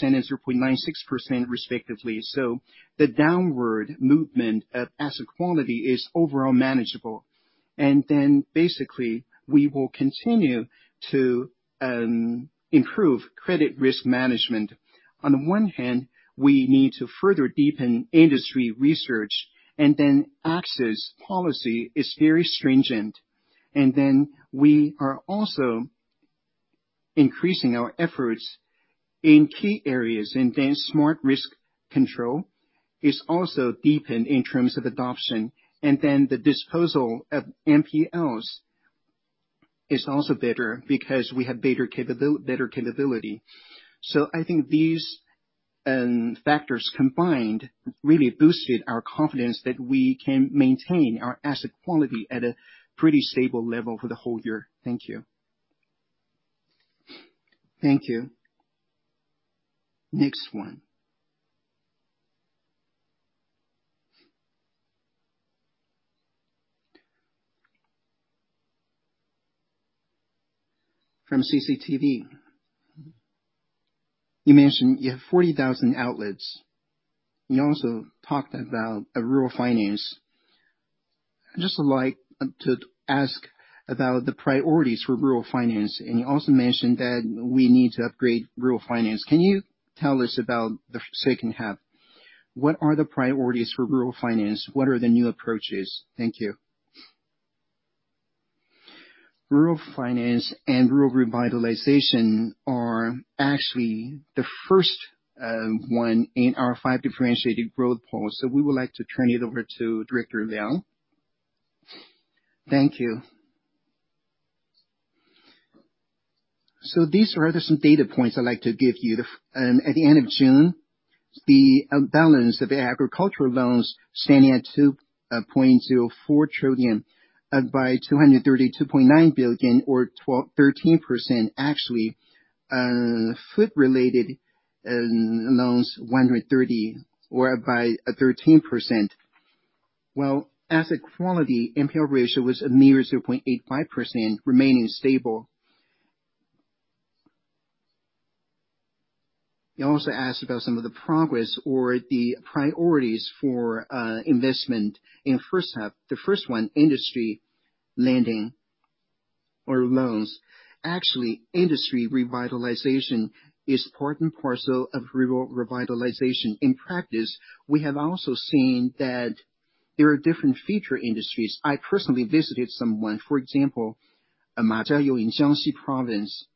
and 0.96% respectively. So the downward movement of asset quality is overall manageable. And then basically, we will continue to improve credit risk management. On the one hand, we need to further deepen industry research, and then access policy is very stringent. And then we are also increasing our efforts in key areas, and then smart risk control is also deepened in terms of adoption. And then the disposal of NPLs is also better because we have better capability. So I think these factors combined really boosted our confidence that we can maintain our asset quality at a pretty stable level for the whole year. Thank you. Thank you. Next one. From CCTV. You mentioned you have 40,000 outlets. You also talked about a rural finance. I'd just like to ask about the priorities for rural finance, and you also mentioned that we need to upgrade rural finance. Can you tell us about the second half? What are the priorities for rural finance? What are the new approaches? Thank you. Rural finance and rural revitalization are actually the first one in our five differentiated growth poles. So we would like to turn it over to Director Liang. Thank you. So these are some data points I'd like to give you. At the end of June, the balance of the agricultural loans standing at 2.04 trillion, by 232.9 billion or 12%-13% actually, food related loans, 130 or by 13%. Well, asset quality NPL ratio was a mere 0.85%, remaining stable. You also asked about some of the progress or the priorities for investment in first half. The first one, industry lending or loans. Actually, industry revitalization is part and parcel of rural revitalization. In practice, we have also seen that there are different feature industries. I personally visited someone, for example, a Majayo in Jiangxi Province,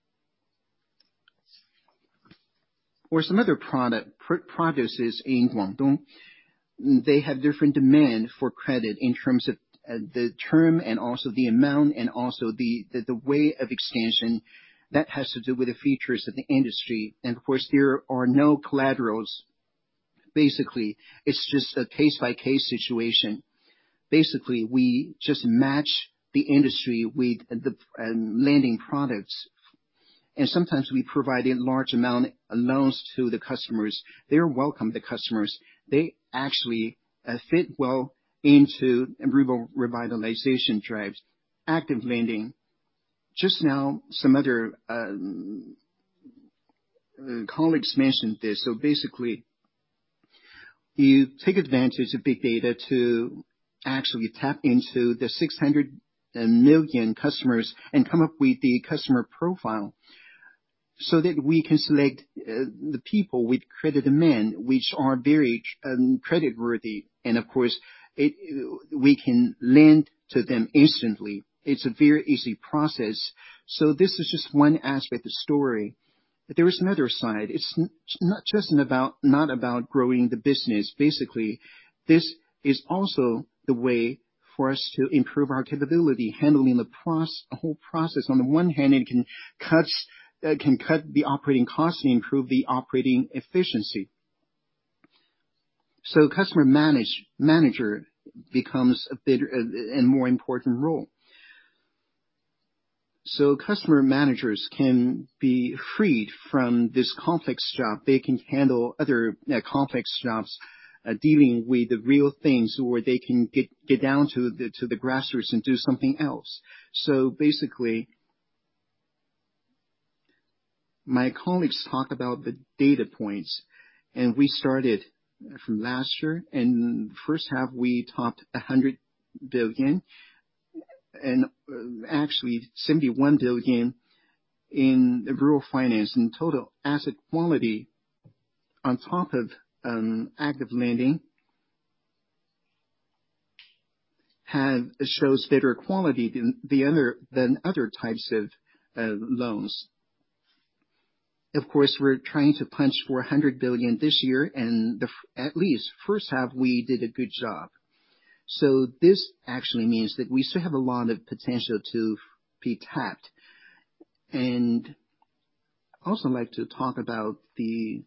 or some other product, produces in Guangdong. They have different demand for credit in terms of the term and also the amount, and also the way of extension. That has to do with the features of the industry. And of course, there are no collaterals. Basically, it's just a case-by-case situation. Basically, we just match the industry with the lending products, and sometimes we provide a large amount of loans to the customers. They are welcome, the customers. They actually fit well into rural revitalization drives, active lending. Just now, some other colleagues mentioned this. So basically, you take advantage of big data to actually tap into the 600 million customers and come up with the customer profile, so that we can select the people with credit demand, which are very creditworthy. And of course, we can lend to them instantly. It's a very easy process. So this is just one aspect of the story, but there is another side. It's not just about growing the business. Basically, this is also the way for us to improve our capability, handling the whole process. On the one hand, it can cut the operating costs and improve the operating efficiency. So customer manager becomes a bigger and more important role. So customer managers can be freed from this complex job. They can handle other, complex jobs, dealing with the real things, where they can get down to the grassroots and do something else. So basically, my colleagues talk about the data points, and we started from last year, and first half, we topped 100 billion. And, actually, 71 billion in the rural finance and total asset quality on top of active lending shows better quality than other types of loans. Of course, we're trying to punch 400 billion this year, and at least first half, we did a good job. So this actually means that we still have a lot of potential to be tapped. And I also like to talk about the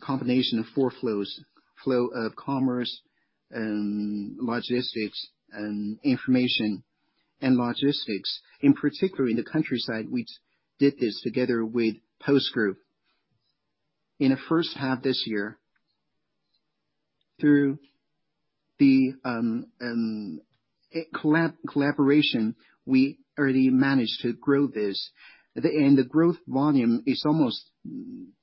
combination of four flows: flow of commerce, and logistics, and information, and logistics. In particular, in the countryside, we did this together with Post Group. In the first half this year, through the collaboration, we already managed to grow this. And the growth volume is almost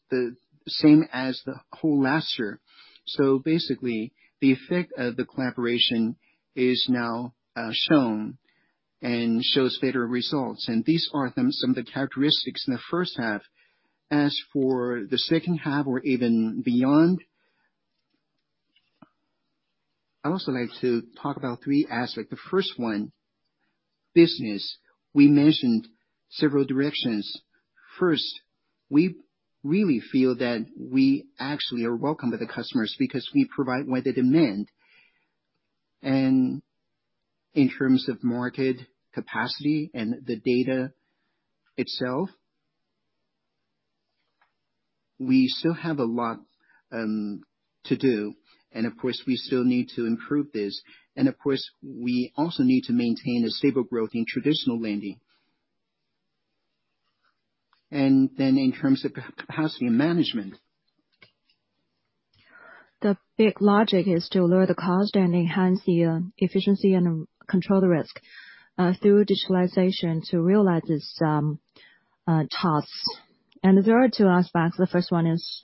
the same as the whole last year. So basically, the effect of the collaboration is now shown and shows better results, and these are some of the characteristics in the first half. As for the second half or even beyond, I'd also like to talk about three aspects. The first one, business. We mentioned several directions. First, we really feel that we actually are welcome to the customers because we provide what they demand. And in terms of market capacity and the data itself, we still have a lot to do, and of course, we still need to improve this. Of course, we also need to maintain a stable growth in traditional lending. Then in terms of capacity management? The big logic is to lower the cost and enhance the efficiency and control the risk through digitalization to realize this tasks. There are two aspects. The first one is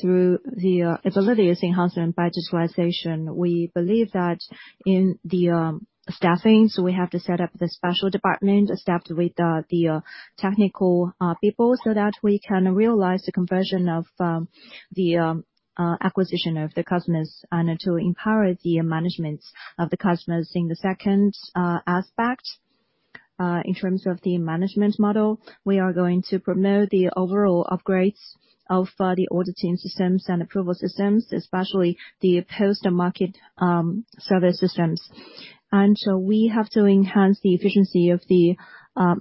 through the ability enhancement by digitalization. We believe that in the staffing, so we have to set up the special department, staffed with the technical people, so that we can realize the conversion of the acquisition of the customers and to empower the management of the customers. In the second aspect, in terms of the management model, we are going to promote the overall upgrades of the auditing systems and approval systems, especially the post-market service systems. So we have to enhance the efficiency of the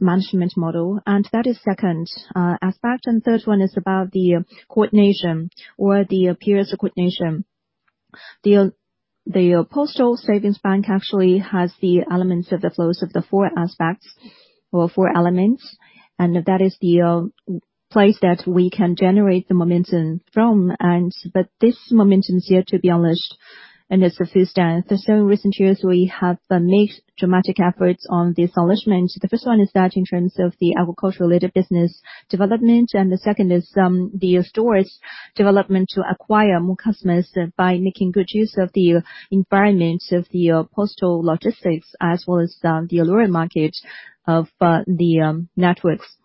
management model, and that is second aspect. Third one is about the coordination or the peers coordination. The Postal Savings Bank actually has the elements of the flows of the four aspects or four elements, and that is the place that we can generate the momentum from. But this momentum is yet to be unleashed, and it's the first time. For so recent years, we have made dramatic efforts on this launch. The first one is that in terms of the agricultural-related business development, and the second is the stores development, to acquire more customers by making good use of the environment of the postal logistics, as well as the alluring market of the networks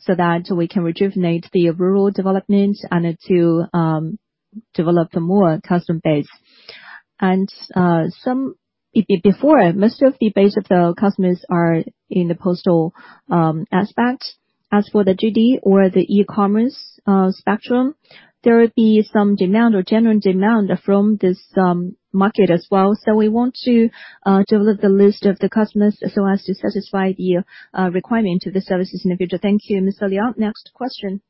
so that we can rejuvenate the rural development and to develop the more customer base. Before, most of the base of the customers are in the postal aspect. As for the duty or the e-commerce spectrum, there would be some demand or general demand from this market as well. We want to develop the list of the customers so as to satisfy the requirement to the services in the future. Thank you, Ms. Liao. Next question?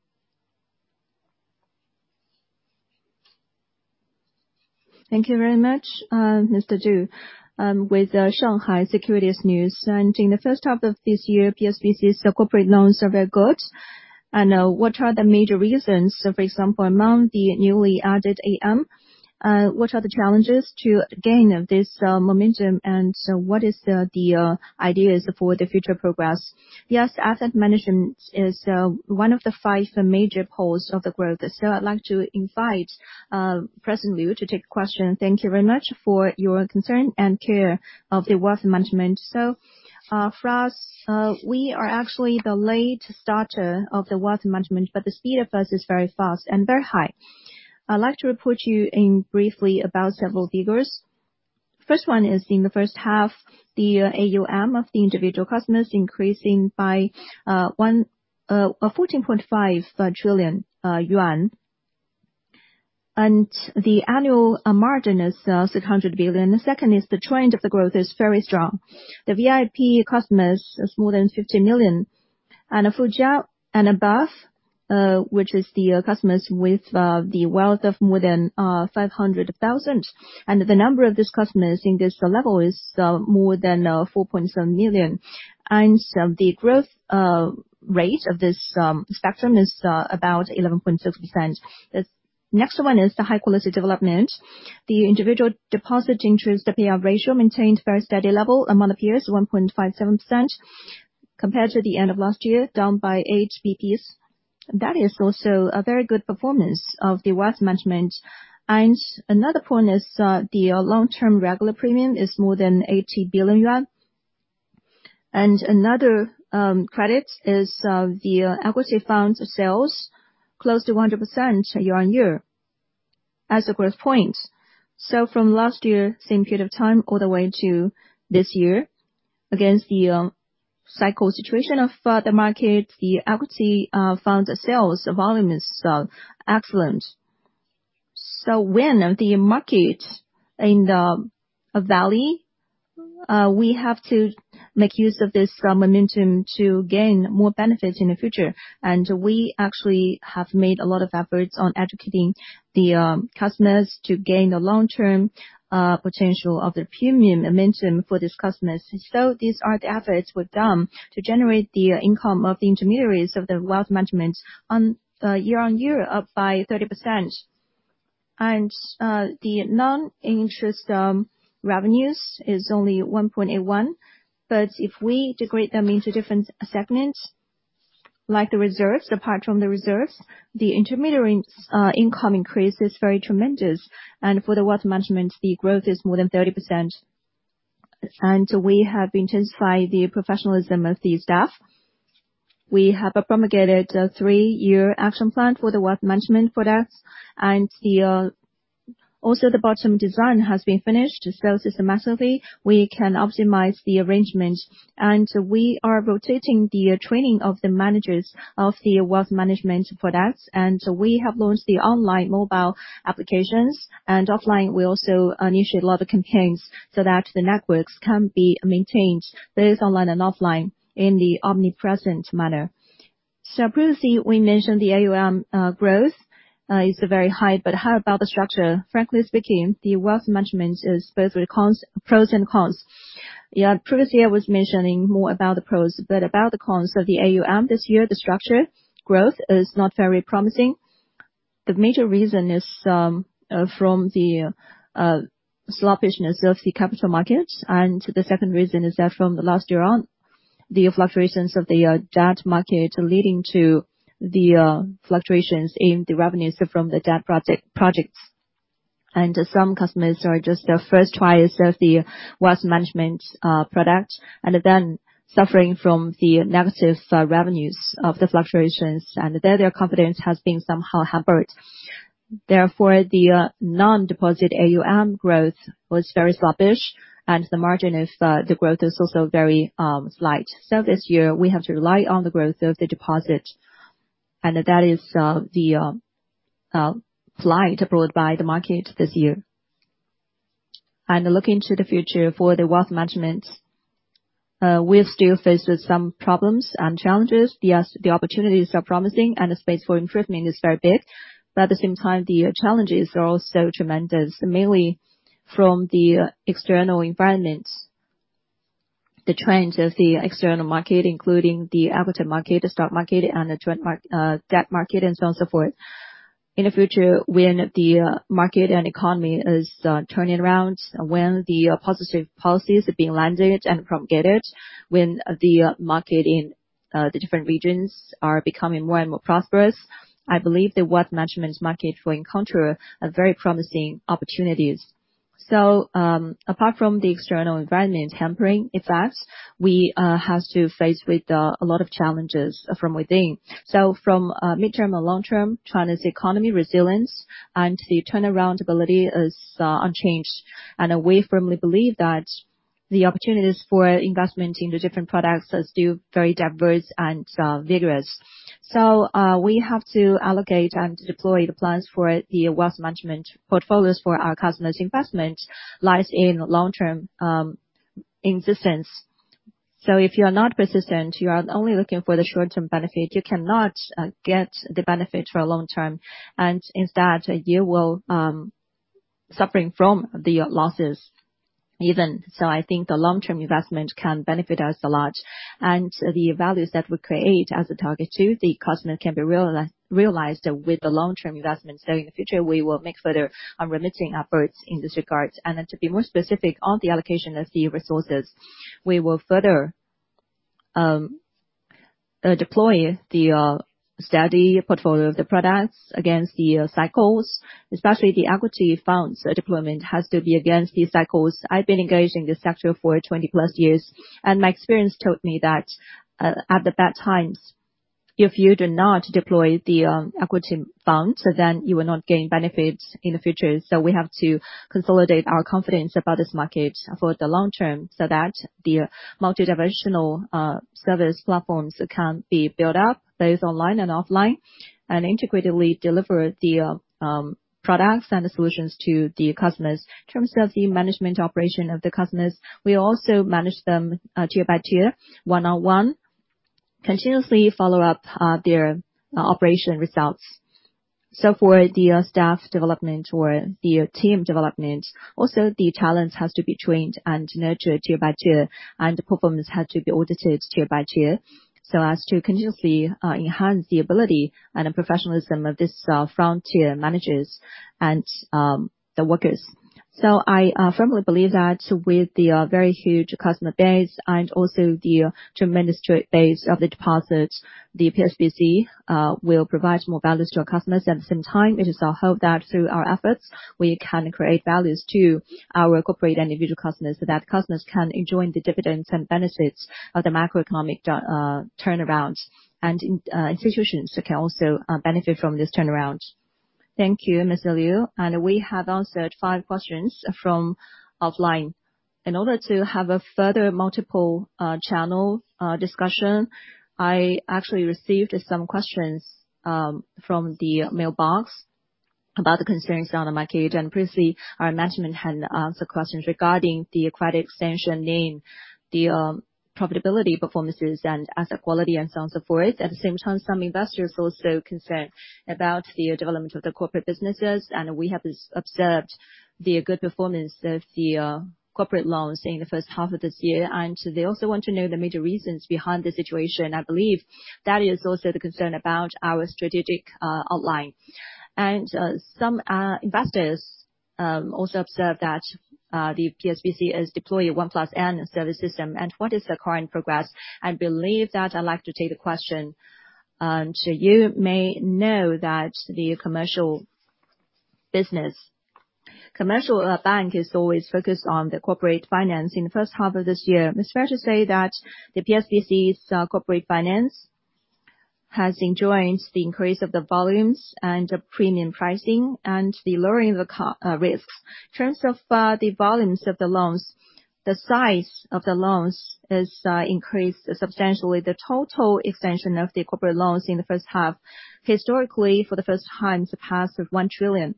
Thank you very much, Mr. Ju, with Shanghai Securities News. In the first half of this year, PSBC's corporate loans are very good. What are the major reasons? For example, among the newly added AM, what are the challenges to gain of this momentum? What is the ideas for the future progress? Yes, asset management is one of the five major poles of the growth. So I'd like to invite, President Liu to take the question. Thank you very much for your concern and care of the wealth management. So, for us, we are actually the late starter of the wealth management, but the speed of us is very fast and very high. I'd like to report you in briefly about several figures. First one is in the first half, the AUM of the individual customers increasing by 14.5 trillion yuan. And the annual margin is 600 billion. The second is the trend of the growth is very strong. The VIP customers is more than 50 million, and a Jiafu and above, which is the customers with the wealth of more than 500,000. The number of these customers in this level is more than 4.7 million. So the growth rate of this spectrum is about 11.6%. The next one is the high quality development. The individual deposit interest, the PR ratio, maintained very steady level among the peers, 1.57%, compared to the end of last year, down by 8 BPs. That is also a very good performance of the wealth management. Another point is, the long-term regular premium is more than 80 billion yuan. Another credit is, the equity fund sales, close to 100% year-on-year as a growth point. So from last year, same period of time, all the way to this year, against the cycle situation of the market, the equity fund sales volume is excellent. So when the market in the valley, we have to make use of this momentum to gain more benefits in the future. And we actually have made a lot of efforts on educating the customers to gain the long-term potential of the premium momentum for these customers. So these are the efforts we've done to generate the income of the intermediaries of the wealth management on year-on-year up by 30%. And the non-interest revenues is only 1.81. But if we degrade them into different segments, like the reserves, apart from the reserves, the intermediary income increase is very tremendous. For the wealth management, the growth is more than 30%. We have intensified the professionalism of the staff. We have promulgated a 3-year action plan for the wealth management products. And the, also the bottom design has been finished. So systematically, we can optimize the arrangement. We are rotating the training of the managers of the wealth management products. We have launched the online mobile applications, and offline, we also initiate a lot of campaigns so that the networks can be maintained, both online and offline, in the omnipresent manner. Previously, we mentioned the AUM growth is very high, but how about the structure? Frankly speaking, the wealth management is both with pros and cons. Yeah, previously, I was mentioning more about the pros, but about the cons of the AUM this year, the structure growth is not very promising. The major reason is from the sluggishness of the capital markets. The second reason is that from the last year on, the fluctuations of the debt market leading to the fluctuations in the revenues from the debt project, projects. Some customers are just their first try of the wealth management product, and then suffering from the negative revenues of the fluctuations, and their, their confidence has been somehow hampered. Therefore, the non-deposit AUM growth was very sluggish, and the margin is the growth is also very slight. So this year, we have to rely on the growth of the deposit, and that is the slight brought by the market this year. Looking to the future for the wealth management, we're still faced with some problems and challenges. Yes, the opportunities are promising, and the space for improvement is very big. But at the same time, the challenges are also tremendous, mainly from the external environment. The trends of the external market, including the output market, the stock market, and the debt market, and so on, so forth. In the future, when the market and economy is turning around, when the positive policies are being landed and promulgated, when the market in the different regions are becoming more and more prosperous, I believe the wealth management market will encounter a very promising opportunities. So, apart from the external environment hampering effects, we has to face with a lot of challenges from within. So from midterm or long term, China's economy resilience and the turnaround ability is unchanged. And we firmly believe that the opportunities for investment in the different products are still very diverse and vigorous. So we have to allocate and deploy the plans for the wealth management portfolios for our customers' investment lies in long-term insistence. So if you are not persistent, you are only looking for the short-term benefit. You cannot get the benefit for a long term, and instead, you will suffering from the losses even. So I think the long-term investment can benefit us a lot, and the values that we create as a target to the customer can be realized with the long-term investment. So in the future, we will make further unremitting efforts in this regard. Then, to be more specific on the allocation of the resources, we will further deploy the steady portfolio of the products against the cycles, especially the equity funds. Deployment has to be against the cycles. I've been engaged in this sector for 20-plus years, and my experience taught me that at the bad times, if you do not deploy the equity fund, so then you will not gain benefits in the future. So we have to consolidate our confidence about this market for the long term, so that the multidimensional service platforms can be built up, both online and offline, and integratively deliver the products and solutions to the customers. In terms of the management operation of the customers, we also manage them tier by tier, one-on-one, continuously follow up their operation results. So for the staff development or the team development, also the talents has to be trained and nurtured tier by tier, and the performance had to be audited tier by tier, so as to continuously enhance the ability and the professionalism of this frontier managers and the workers. So I firmly believe that with the very huge customer base and also the tremendous base of the deposits, the PSBC will provide more values to our customers. At the same time, it is our hope that through our efforts, we can create values to our corporate and individual customers, so that customers can enjoy the dividends and benefits of the macroeconomic turnaround, and institutions can also benefit from this turnaround. Thank you, Miss Liu. And we have answered five questions from offline. In order to have a further multiple channel discussion, I actually received some questions from the mailbox about the concerns on the market. Previously, our management had answered questions regarding the credit extension, NIM, the profitability, performance, and asset quality, and so on, so forth. At the same time, some investors are also concerned about the development of the corporate businesses, and we have observed the good performance of the corporate loans in the first half of this year. They also want to know the major reasons behind the situation. I believe that is also the concern about our strategic outline. Some investors also observed that the PSBC has deployed 1 + N service system, and what is the current progress? I believe that I'd like to take the question. So you may know that the commercial business, commercial bank is always focused on the corporate finance. In the first half of this year, it's fair to say that the PSBC's corporate finance has enjoyed the increase of the volumes and the premium pricing and the lowering of the core risks. In terms of the volumes of the loans, the size of the loans is increased substantially. The total extension of the corporate loans in the first half, historically, for the first time, surpassed 1 trillion,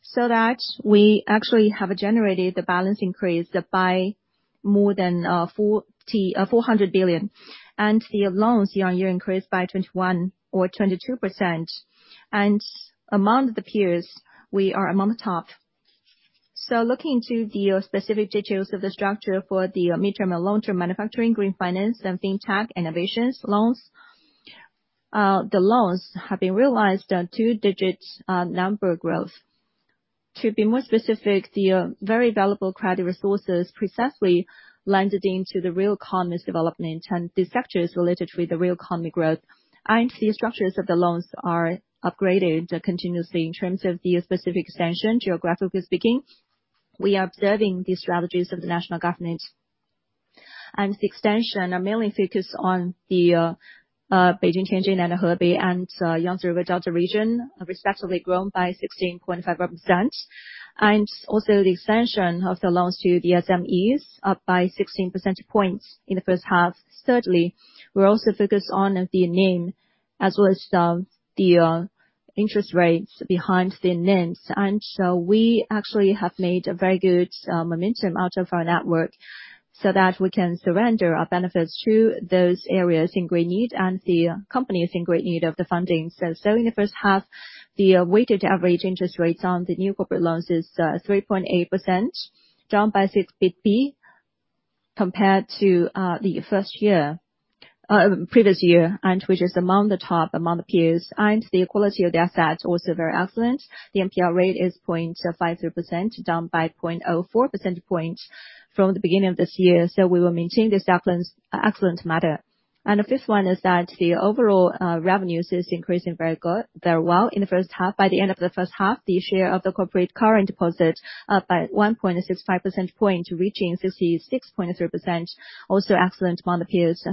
so that we actually have generated the balance increase by more than 400 billion, and the loans year-on-year increased by 21% or 22%. Among the peers, we are among the top. So looking into the specific details of the structure for the midterm and long-term manufacturing, green finance and fintech innovations loans, the loans have been realized a two-digit number growth. To be more specific, the very valuable credit resources precisely lended into the real economies development and the sectors related to the real economy growth. And the structures of the loans are upgraded continuously in terms of the specific extension. Geographically speaking, we are observing the strategies of the national government, and the extension are mainly focused on the Beijing, Tianjin, and Hebei, and Yangtze River Delta region, respectively grown by 16.5%. And also the extension of the loans to the SMEs, up by 16 percentage points in the first half. Thirdly, we're also focused on the NIM, as well as the interest rates behind the NIMs. And so we actually have made a very good momentum out of our network, so that we can surrender our benefits to those areas in great need and the companies in great need of the funding. So in the first half, the weighted average interest rates on the new corporate loans is 3.8%, down by 6 bp, compared to the previous year, and which is among the top among the peers, and the quality of the assets also very excellent. The NPL rate is 0.53%, down by 0.04 percentage points from the beginning of this year. So we will maintain this excellence, excellent matter. And the fifth one is that the overall revenues is increasing very good, very well in the first half. By the end of the first half, the share of the corporate current deposit by 1.65 percentage points, reaching 66.3%, also excellent among the peers.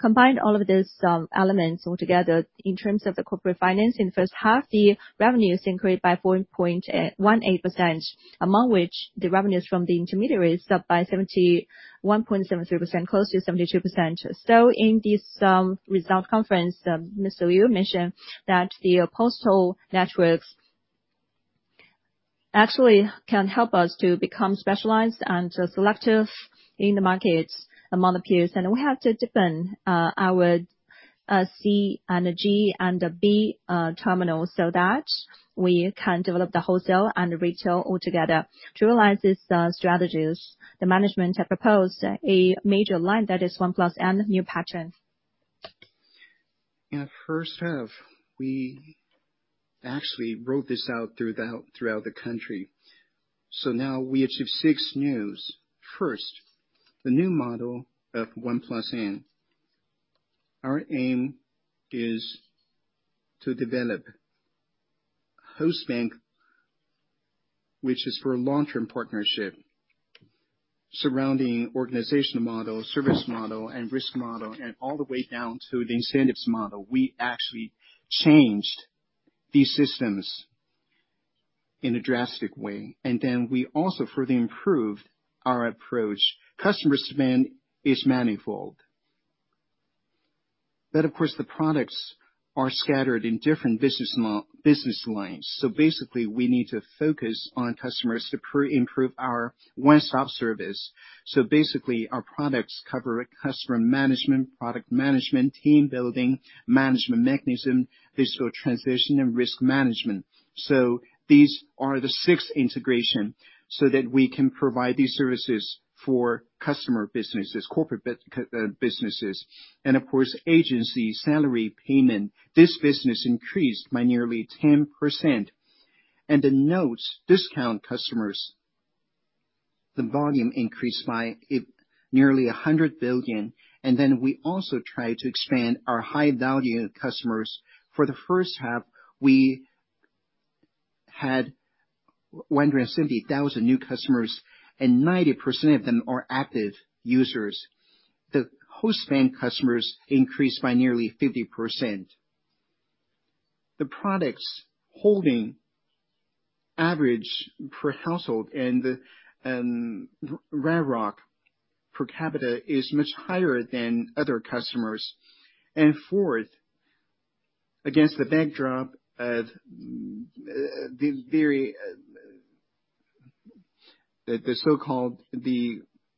Combined all of these elements all together in terms of the corporate finance, in the first half, the revenues increased by 4.18%, among which the revenues from the intermediaries up by 71.73%, close to 72%. In this results conference, Mr. Yu mentioned that the postal networks actually can help us to become specialized and selective in the markets among the peers. We have to deepen our C and A G and A B terminal, so that we can develop the wholesale and retail all together. To realize these strategies, the management have proposed a major line that is 1 + n new pattern. In the first half, we actually wrote this out throughout, throughout the country. So now we achieve six news. First, the new model of one plus n. Our aim is to develop host bank, which is for a long-term partnership surrounding organizational model, service model, and risk model, and all the way down to the incentives model. We actually changed these systems in a drastic way, and then we also further improved our approach. Customer demand is manifold. Then, of course, the products are scattered in different business lines. So basically, we need to focus on customers to improve our one-stop service. So basically, our products cover customer management, product management, team building, management mechanism, digital transition, and risk management. So these are the six integration, so that we can provide these services for customer businesses, corporate businesses, and of course, agency salary payment. This business increased by nearly 10%. The notes discount customers, the volume increased by nearly 100 billion. Then we also tried to expand our high-value customers. For the first half, we had 170,000 new customers, and 90% of them are active users. The host bank customers increased by nearly 50%. The products holding average per household and RAROC per capita is much higher than other customers. Fourth, against the backdrop of the so-called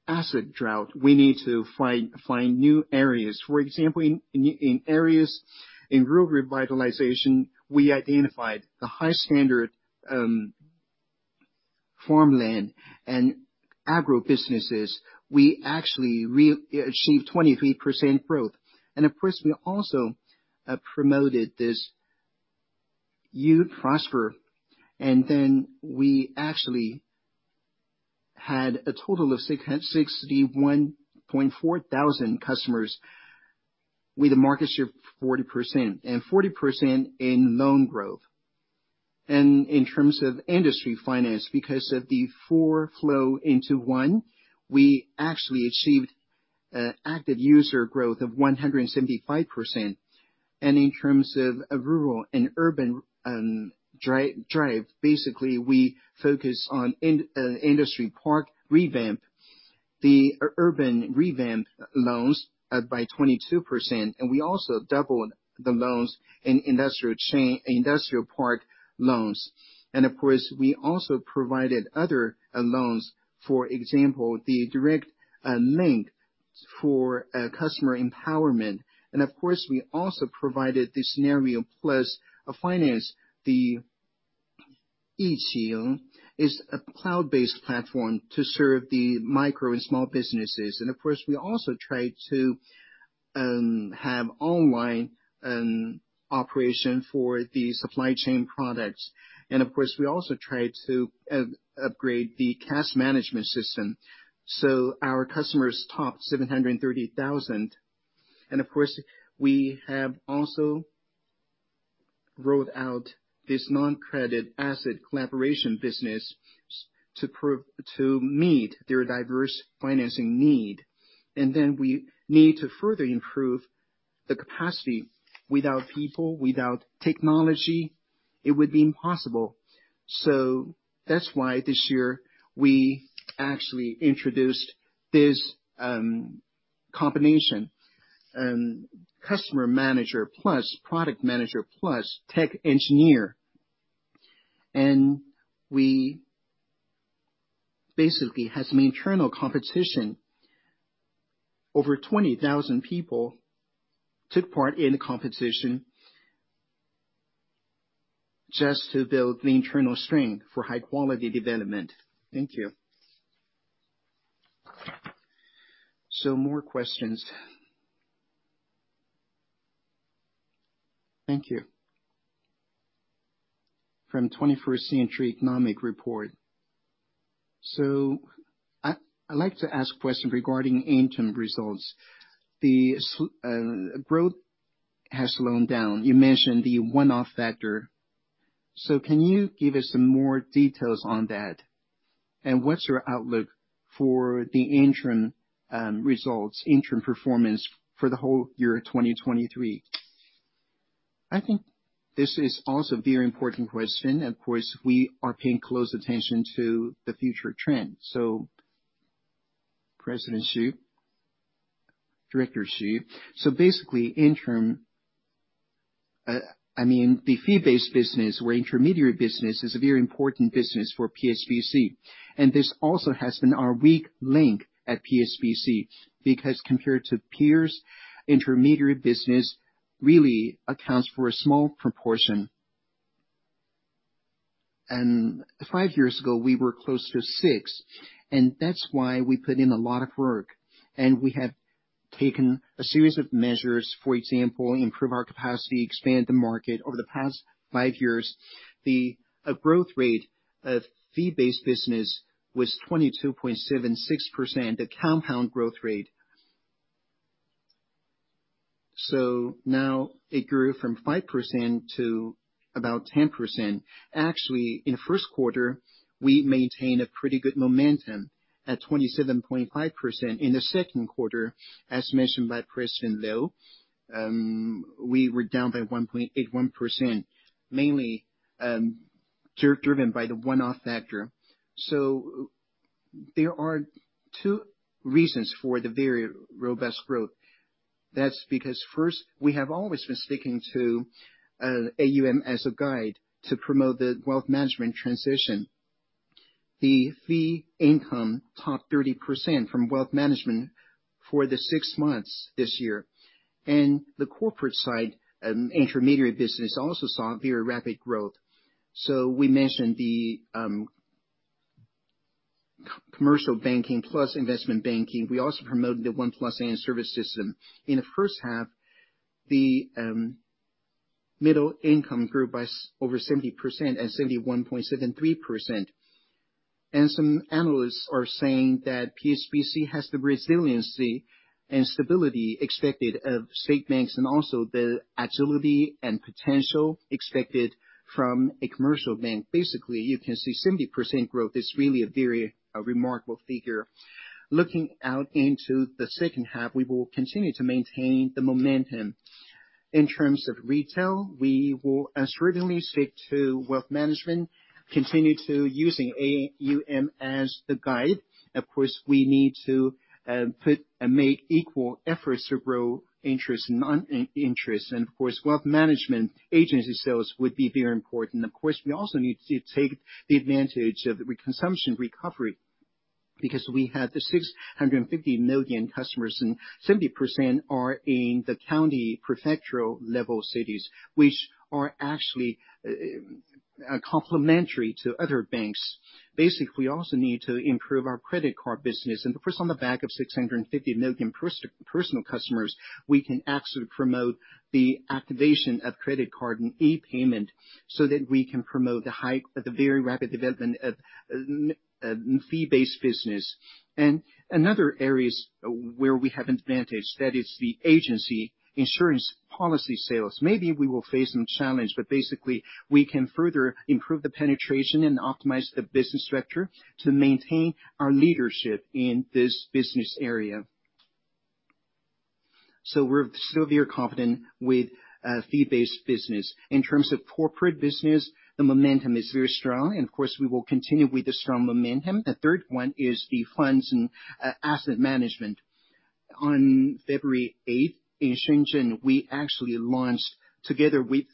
asset drought, we need to find new areas. For example, in areas in rural revitalization, we identified the high standard farmland and agribusinesses. We actually achieved 23% growth. Of course, we also promoted this You Prosper, and then we actually had a total of 661.4 thousand customers, with a market share of 40%, and 40% in loan growth. In terms of industry finance, because of the four flow into one, we actually achieved an active user growth of 175%. In terms of rural and urban drive, basically, we focus on industry park revamp. The urban revamp loans by 22%, and we also doubled the loans in industrial park loans. Of course, we also provided other loans, for example, the direct link for customer empowerment. Of course, we also provided the scenario plus a finance. This is a cloud-based platform to serve the micro and small businesses. And of course, we also tried to have online operation for the supply chain products. And of course, we also tried to upgrade the cash management system, so our customers topped 730,000. And of course, we have also rolled out this non-credit asset collaboration business to meet their diverse financing need. And then we need to further improve the capacity. Without people, without technology, it would be impossible. So that's why this year we actually introduced this combination customer manager plus product manager plus tech engineer. And we basically had some internal competition. Over 20,000 people took part in the competition... just to build the internal strength for high quality development. Thank you. So more questions? Thank you. From Twenty-First Century Economic Report. So I, I'd like to ask a question regarding interim results. The growth has slowed down. You mentioned the one-off factor. So can you give us some more details on that? And what's your outlook for the interim, results, interim performance for the whole year of 2023? I think this is also a very important question, and of course, we are paying close attention to the future trends. So President Xu, Director Xu. So basically, interim, I mean, the fee-based business or intermediary business is a very important business for PSBC, and this also has been our weak link at PSBC, because compared to peers, intermediary business really accounts for a small proportion. And five years ago, we were close to six, and that's why we put in a lot of work, and we have taken a series of measures, for example, improve our capacity, expand the market. Over the past five years, the growth rate of fee-based business was 22.76%, the compound growth rate. So now it grew from 5% to about 10%. Actually, in the first quarter, we maintained a pretty good momentum at 27.5%. In the second quarter, as mentioned by President Liu, we were down by 1.81%, mainly driven by the one-off factor. So there are two reasons for the very robust growth. That's because first, we have always been sticking to AUM as a guide to promote the wealth management transition. The fee income topped 30% from wealth management for the six months this year, and the corporate side, intermediary business, also saw very rapid growth. So we mentioned the commercial banking plus investment banking. We also promoted the One Plus N service system. In the first half, the middle income grew by over 70% and 71.73%. Some analysts are saying that PSBC has the resiliency and stability expected of state banks, and also the agility and potential expected from a commercial bank. Basically, you can see 70% growth is really a very remarkable figure. Looking out into the second half, we will continue to maintain the momentum. In terms of retail, we will assuredly stick to wealth management, continue to using AUM as the guide. Of course, we need to put and make equal efforts to grow interest, non-interest. Of course, wealth management, agency sales would be very important. Of course, we also need to take the advantage of the consumption recovery, because we have the 650 million customers, and 70% are in the county prefectural level cities, which are actually complementary to other banks. Basically, we also need to improve our credit card business. And of course, on the back of 650 million personal customers, we can actually promote the activation of credit card and e-payment, so that we can promote the very rapid development of fee-based business. And another areas where we have advantage, that is the agency insurance policy sales. Maybe we will face some challenge, but basically, we can further improve the penetration and optimize the business structure to maintain our leadership in this business area. So we're still very confident with fee-based business. In terms of corporate business, the momentum is very strong, and of course, we will continue with the strong momentum. The third one is the funds and asset management. On February eighth, in Shenzhen, we actually launched Together We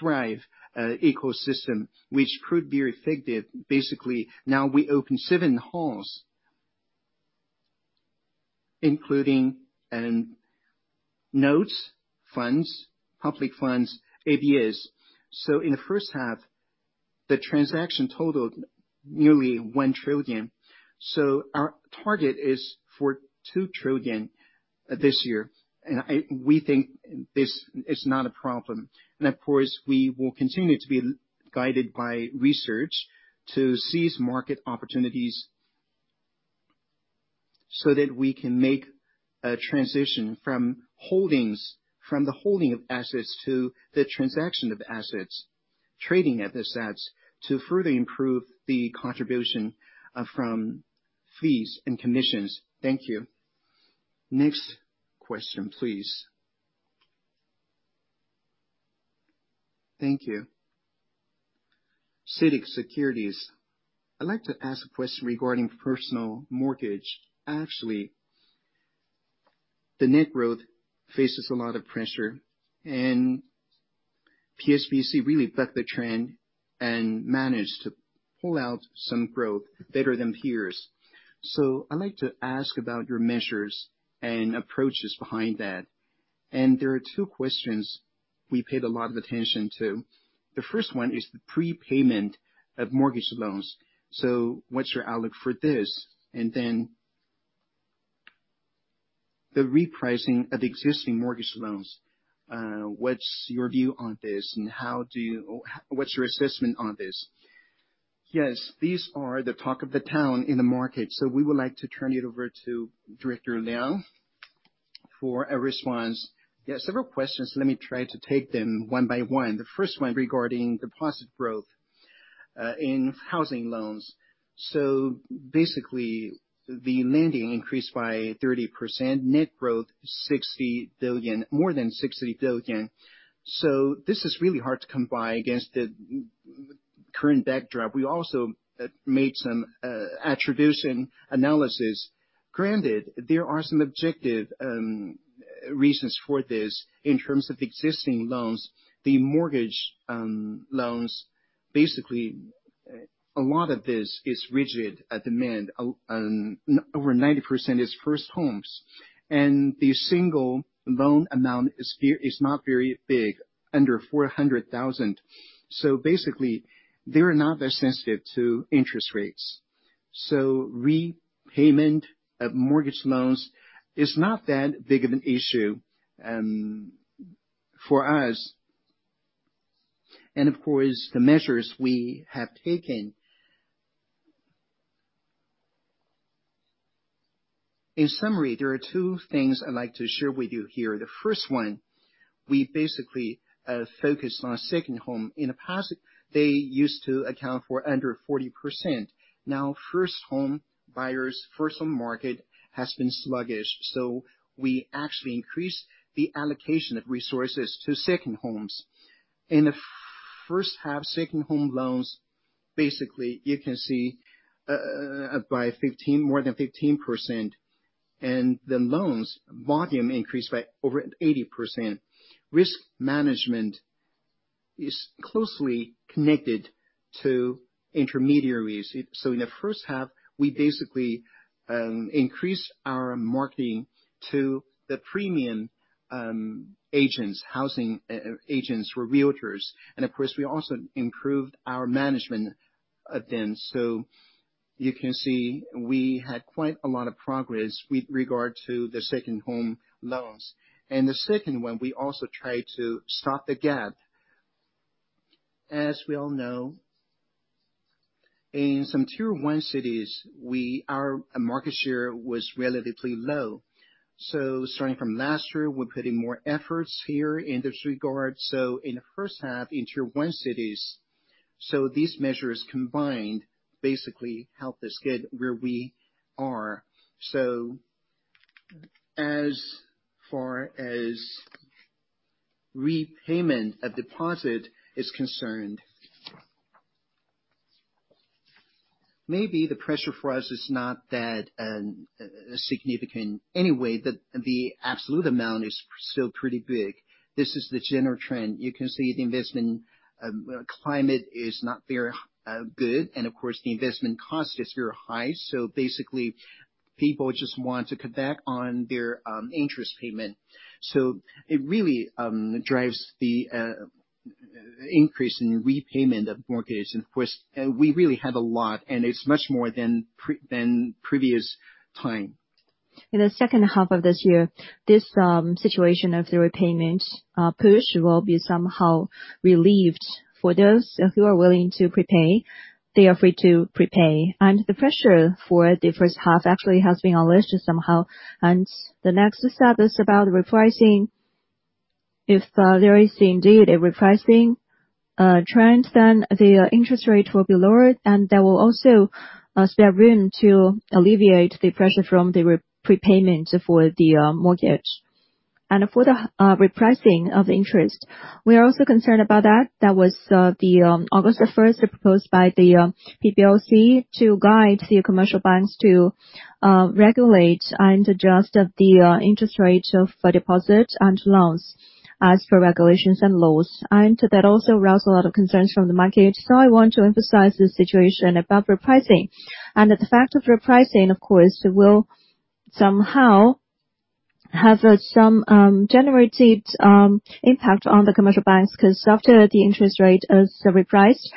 Thrive ecosystem, which proved very effective. Basically, now we opened 7 halls, including notes, funds, public funds, ABS. So in the first half, the transaction totaled nearly 1 trillion. So our target is for 2 trillion this year, and we think this is not a problem. And of course, we will continue to be guided by research to seize market opportunities, so that we can make a transition from holdings, from the holding of assets to the transaction of assets, trading of assets, to further improve the contribution from fees and commissions. Thank you. Next question, please. Thank you. Citic Securities. I'd like to ask a question regarding personal mortgage. Actually, the net growth faces a lot of pressure, and PSBC really bucked the trend and managed to pull out some growth better than peers. So I'd like to ask about your measures and approaches behind that. And there are two questions we paid a lot of attention to. The first one is the prepayment of mortgage loans. So what's your outlook for this? And then the repricing of existing mortgage loans, what's your view on this, and what's your assessment on this? Yes, these are the talk of the town in the market, so we would like to turn it over to Director Liang for a response. Yeah, several questions. Let me try to take them one by one. The first one regarding deposit growth in housing loans. So basically, the lending increased by 30%, net growth 60 billion—more than 60 billion. So this is really hard to come by against the current backdrop. We also made some attribution analysis. Granted, there are some objective reasons for this in terms of existing loans. The mortgage loans, basically, a lot of this is rigid demand. Over 90% is first homes, and the single loan amount is not very big, under 400,000. So basically, they're not as sensitive to interest rates. So repayment of mortgage loans is not that big of an issue for us, and of course, the measures we have taken. In summary, there are two things I'd like to share with you here. The first one, we basically focus on a second home. In the past, they used to account for under 40%. Now, first home buyers, first home market, has been sluggish, so we actually increased the allocation of resources to second homes. In the first half, second home loans, basically, you can see, up by 15, more than 15%, and the loans volume increased by over 80%. Risk management is closely connected to intermediaries. So in the first half, we basically increased our marketing to the premium agents, housing agents or realtors. And of course, we also improved our management of them. So you can see, we had quite a lot of progress with regard to the second home loans. The second one, we also tried to stop the gap. As we all know, in some Tier 1 cities, our market share was relatively low. So starting from last year, we're putting more efforts here in this regard. So in the first half, in Tier 1 cities, so these measures combined basically helped us get where we are. So as far as repayment of deposit is concerned, maybe the pressure for us is not that significant. Anyway, the absolute amount is still pretty big. This is the general trend. You can see the investment climate is not very good, and of course, the investment cost is very high, so basically, people just want to cut back on their interest payment. So it really drives the increase in repayment of mortgage. Of course, we really have a lot, and it's much more than previous time. In the second half of this year, this situation of the repayment push will be somehow relieved. For those who are willing to prepay, they are free to prepay, and the pressure for the first half actually has been unleashed somehow. The next step is about repricing. If there is indeed a repricing trend, then the interest rate will be lowered, and there will also stand room to alleviate the pressure from the prepayment for the mortgage. For the repricing of interest, we are also concerned about that. That was the August 1, proposed by the PBOC, to guide the commercial banks to regulate and adjust the interest rate of deposit and loans as per regulations and laws. That also aroused a lot of concerns from the market. I want to emphasize the situation about repricing. The fact of repricing, of course, will somehow have some generative impact on the commercial banks, 'cause after the interest rate is repriced,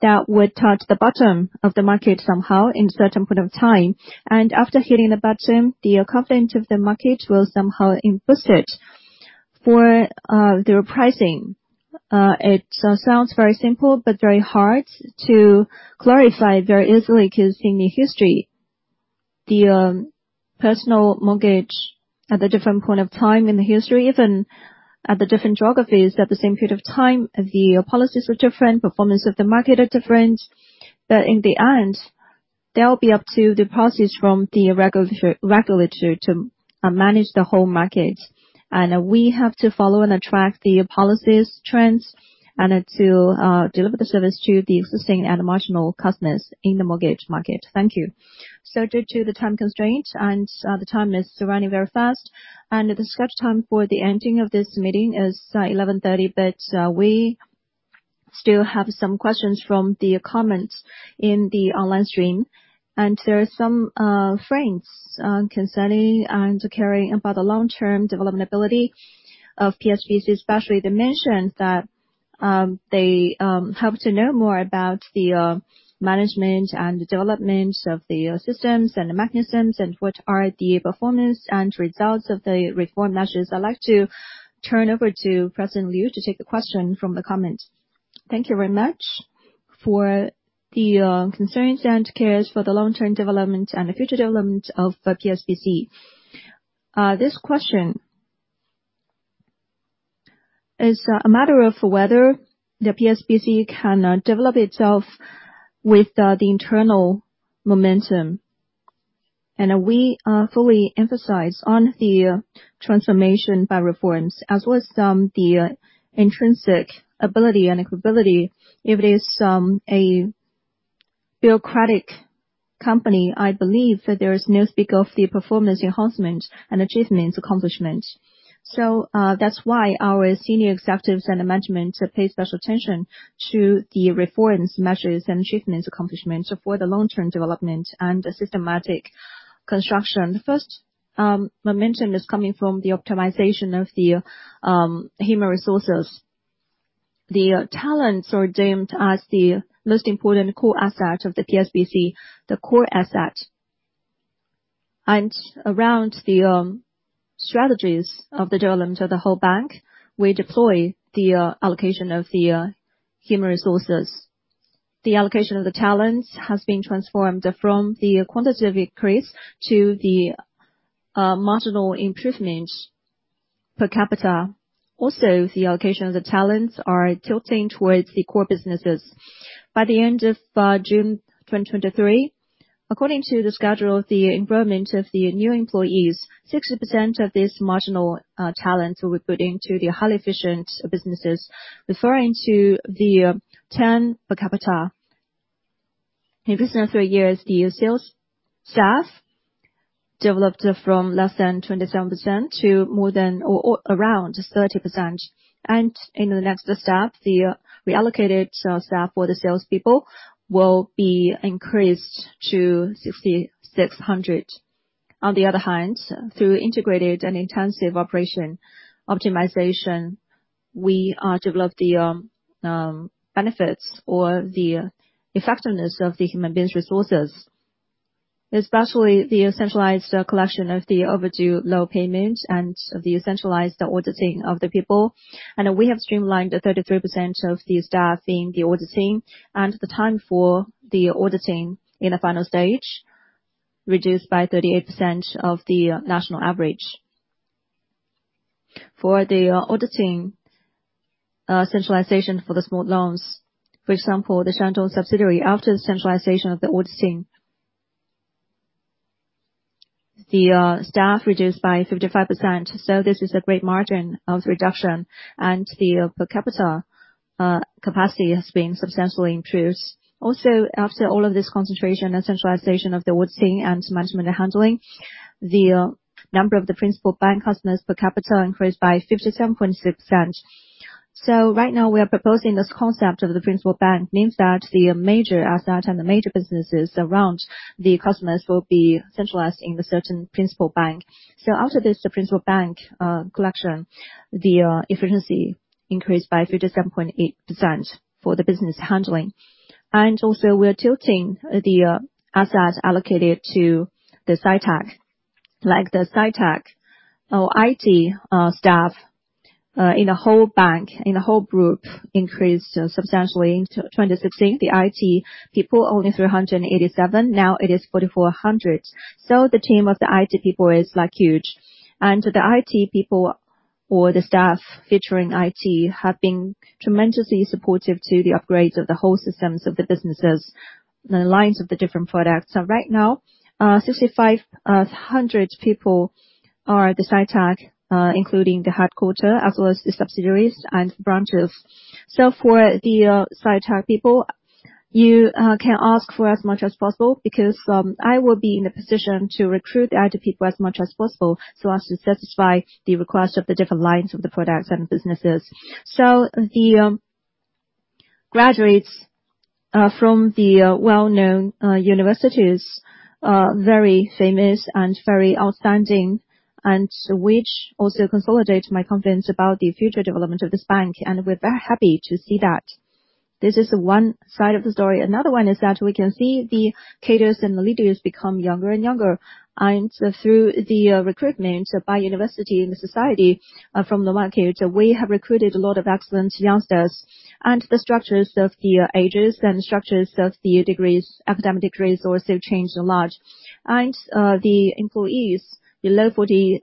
that would touch the bottom of the market somehow in a certain point of time. After hitting the bottom, the confidence of the market will somehow improve it. For the repricing, it sounds very simple, but very hard to clarify very easily, 'cause in the history, the personal mortgage at a different point of time in the history, even at the different geographies at the same period of time, the policies are different, performance of the market are different. In the end, that'll be up to the policies from the regulatory to manage the whole market. We have to follow and attract the policies, trends, and to deliver the service to the existing and marginal customers in the mortgage market. Thank you. So due to the time constraint, the time is running very fast, and the scheduled time for the ending of this meeting is 11:30 A.M., but we. Still have some questions from the comments in the online stream. There are some friends concerning and caring about the long-term development ability of PSBC, especially they mentioned that they have to know more about the management and development of the systems and the mechanisms, and what are the performance and results of the reform measures. I'd like to turn over to President Liu to take the question from the comment. Thank you very much for the concerns and cares for the long-term development and the future development of PSBC. This question is a matter of whether the PSBC can develop itself with the internal momentum. We fully emphasize on the transformation by reforms, as well as the intrinsic ability and equability. If it is a bureaucratic company, I believe that there is no speak of the performance enhancement and achievements accomplishment. So, that's why our senior executives and the management pay special attention to the reforms, measures, and achievements, accomplishments for the long-term development and the systematic construction. First, momentum is coming from the optimization of the human resources. The talents are deemed as the most important core asset of the PSBC, the core asset. And around the strategies of the development of the whole bank, we deploy the allocation of the human resources. The allocation of the talents has been transformed from the quantitative increase to the marginal improvement per capita. Also, the allocation of the talents are tilting towards the core businesses. By the end of June 2023, according to the schedule, the enrollment of the new employees. 60% of these marginal talents will be put into the highly efficient businesses, referring to the 10 per capita. In recent three years, the sales staff developed from less than 27% to more than or around 30%. And in the next step, the reallocated staff for the salespeople will be increased to 6,600. On the other hand, through integrated and intensive operation optimization, we developed the benefits or the effectiveness of the human business resources, especially the centralized collection of the overdue loan payment and the centralized auditing of the people. And we have streamlined 33% of the staff in the auditing, and the time for the auditing in the final stage reduced by 38% of the national average. For the auditing centralization for the small loans, for example, the Shandong subsidiary, after the centralization of the auditing, the staff reduced by 55%, so this is a great margin of reduction, and the per capita capacity has been substantially improved. Also, after all of this concentration and centralization of the auditing and management handling, the number of the principal bank customers per capita increased by 57.6%. So right now, we are proposing this concept of the principal bank, means that the major asset and the major businesses around the customers will be centralized in the certain principal bank. So after this, the principal bank collection, the efficiency increased by 57.8% for the business handling. And also, we are tilting the assets allocated to the SciTech, like the SciTech or IT staff in the whole bank, in the whole group, increased substantially. In 2016, the IT people only 387, now it is 4,400. So the team of the IT people is, like, huge. And the IT people or the staff featuring IT have been tremendously supportive to the upgrades of the whole systems of the businesses and the lines of the different products. So right now, 6,500 people are the SciTech, including the headquarters, as well as the subsidiaries and branches. So for the SciTech people, you can ask for as much as possible because I will be in a position to recruit the IT people as much as possible so as to satisfy the request of the different lines of the products and businesses. So the graduates from the well-known universities are very famous and very outstanding, and which also consolidate my confidence about the future development of this bank, and we're very happy to see that. This is one side of the story. Another one is that we can see the cadres and the leaders become younger and younger. And through the recruitment by university and the society from the market, we have recruited a lot of excellent youngsters. And the structures of the ages and the structures of the degrees, academic degrees, also changed a lot. The employees below 40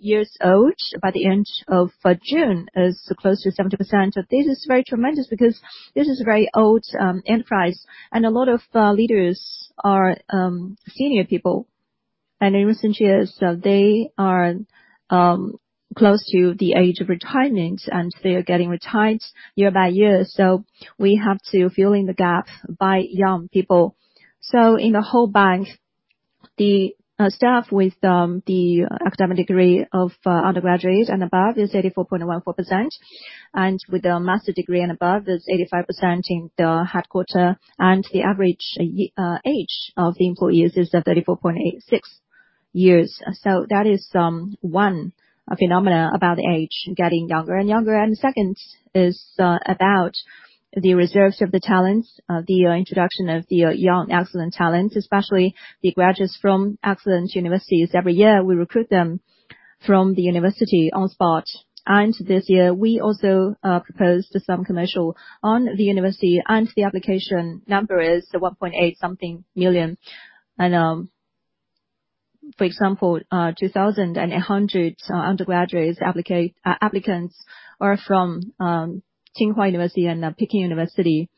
years old by the end of June is close to 70%. This is very tremendous because this is a very old enterprise, and a lot of leaders are senior people. In recent years, they are close to the age of retirement, and they are getting retired year by year, so we have to fill in the gap by young people. In the whole bank, the staff with the academic degree of undergraduate and above is 84.14%, and with a master's degree and above is 85% in the headquarters. The average age of the employees is 34.86 years. That is one phenomenon about age getting younger and younger. Second is about the reserves of the talents, the introduction of the young excellent talents, especially the graduates from excellent universities. Every year, we recruit them from the university on spot, and this year we also proposed some commercial on the university, and the application number is 1.8 something million. For example, 2,800 undergraduate applicants are from Tsinghua University and Peking University.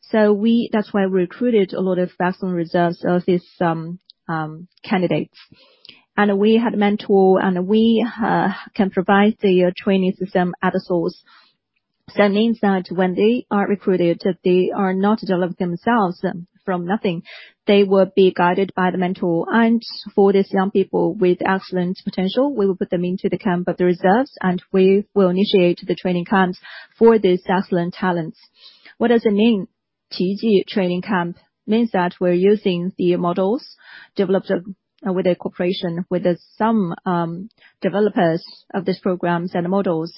So that's why we recruited a lot of excellent results of these candidates. We had mentor, and we can provide the training system at the source. So that means that when they are recruited, they are not develop themselves from nothing. They will be guided by the mentor. For these young people with excellent potential, we will put them into the camp of the reserves, and we will initiate the training camps for these excellent talents. What does it mean, Qiji training camp? Means that we're using the models developed with a cooperation with some developers of these programs and models,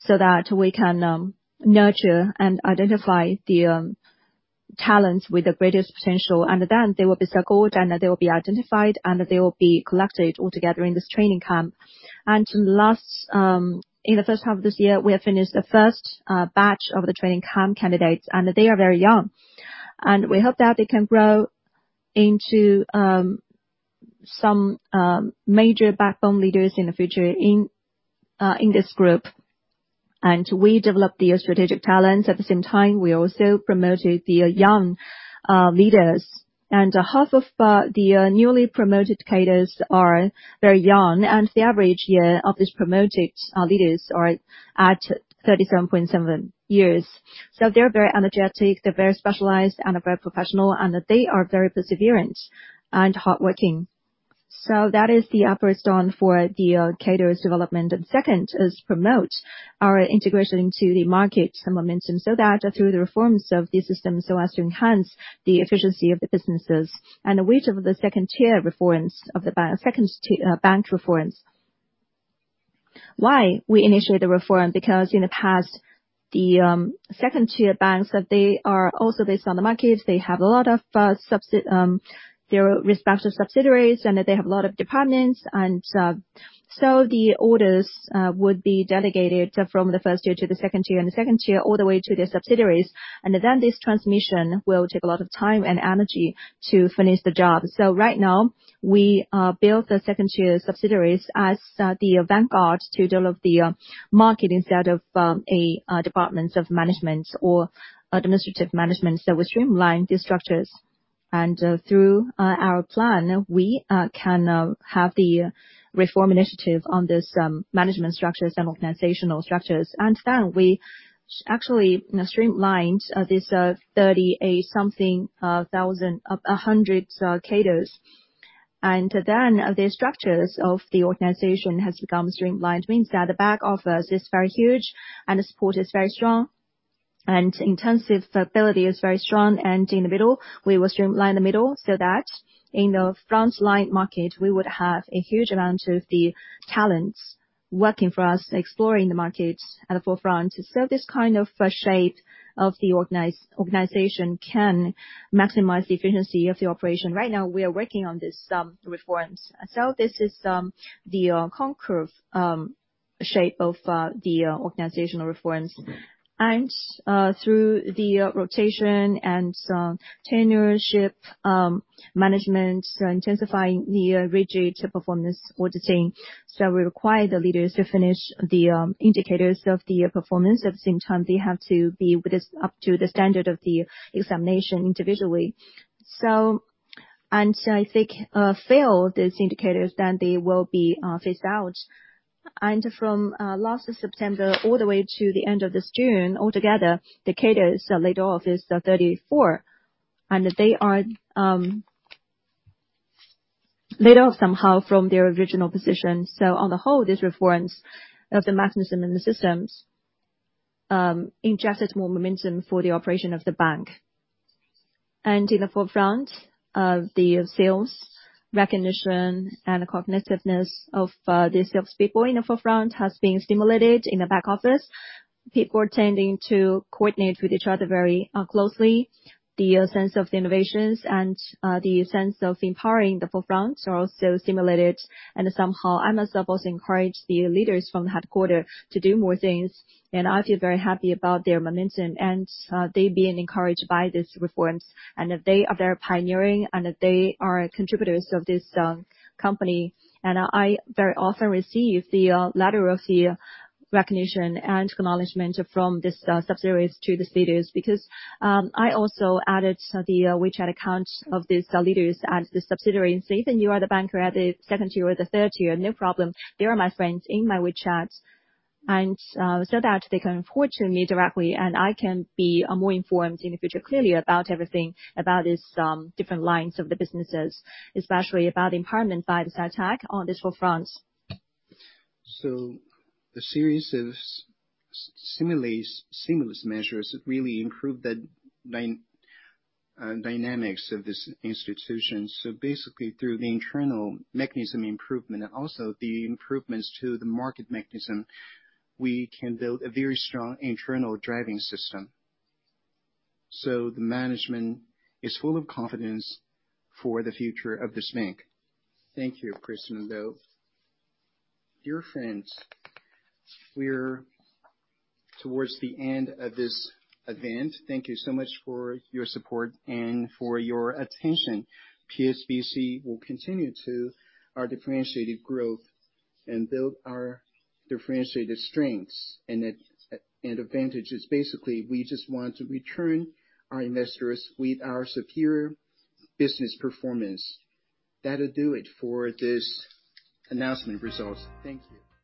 so that we can nurture and identify the talents with the greatest potential, and then they will be circled, and they will be identified, and they will be collected all together in this training camp. And last in the first half of this year, we have finished the first batch of the training camp candidates, and they are very young. And we hope that they can grow into some major backbone leaders in the future in this group. And we developed the strategic talents. At the same time, we also promoted the young leaders. Half of the newly promoted cadres are very young, and the average year of these promoted leaders are at 37.7 years. So they're very energetic, they're very specialized, and very professional, and they are very perseverant and hardworking. So that is the upper stone for the cadres development. Second is promote our integration into the market momentum, so that through the reforms of the system, so as to enhance the efficiency of the businesses. And which of the second tier reforms of the bank reforms. Why we initiate the reform? Because in the past, the second-tier banks, that they are also based on the markets. They have a lot of their respective subsidiaries, and they have a lot of departments, and so the orders would be delegated from the first tier to the second tier, and the second tier all the way to their subsidiaries. Then this transmission will take a lot of time and energy to finish the job. So right now, we build the second-tier subsidiaries as the vanguard to develop the market instead of a departments of management or administrative management. So we streamline the structures, and through our plan, we can have the reform initiative on this management structures and organizational structures. Then we actually streamlined this 38,100 cadres. Then, the structures of the organization has become streamlined. Means that the back office is very huge, and the support is very strong, and intensive ability is very strong, and in the middle, we will streamline the middle so that in the frontline market, we would have a huge amount of the talents working for us, exploring the markets at the forefront. So this kind of shape of the organization can maximize the efficiency of the operation. Right now, we are working on this reforms. So this is the conqueror shape of the organizational reforms. And through the rotation and some tenureship management, intensifying the rigid performance auditing. So we require the leaders to finish the indicators of the performance. At the same time, they have to be with this up to the standard of the examination individually. If they fail these indicators, then they will be phased out. From last September all the way to the end of this June, altogether, the cadres laid off is 34, and they are laid off somehow from their original position. On the whole, this reforms of the mechanism and the systems injected more momentum for the operation of the bank. In the forefront of the sales recognition and the competitiveness of the salespeople in the forefront has been stimulated in the back office. People are tending to coordinate with each other very closely. The sense of the innovations and the sense of empowering the forefront are also stimulated. Somehow, I must also encourage the leaders from the headquarters to do more things, and I feel very happy about their momentum, and they've been encouraged by these reforms. They are very pioneering, and they are contributors of this company. I very often receive the letter of the recognition and acknowledgment from these subsidiaries to these leaders, because I also added the WeChat account of these leaders as the subsidiary. And say, then you are the banker at the second tier or the third tier, no problem. They are my friends in my WeChat, and so that they can report to me directly, and I can be more informed in the future, clearly, about everything about these different lines of the businesses, especially about empowerment by the sci-tech on this forefront. The series of similar stimulus measures really improved the dynamics of this institution. Basically, through the internal mechanism improvement and also the improvements to the market mechanism, we can build a very strong internal driving system. The management is full of confidence for the future of this bank. Thank you, Chris and Dove. Dear friends, we're towards the end of this event. Thank you so much for your support and for your attention. PSBC will continue to our differentiated growth and build our differentiated strengths and advantages. Basically, we just want to return our investors with our superior business performance. That'll do it for this announcement results. Thank you.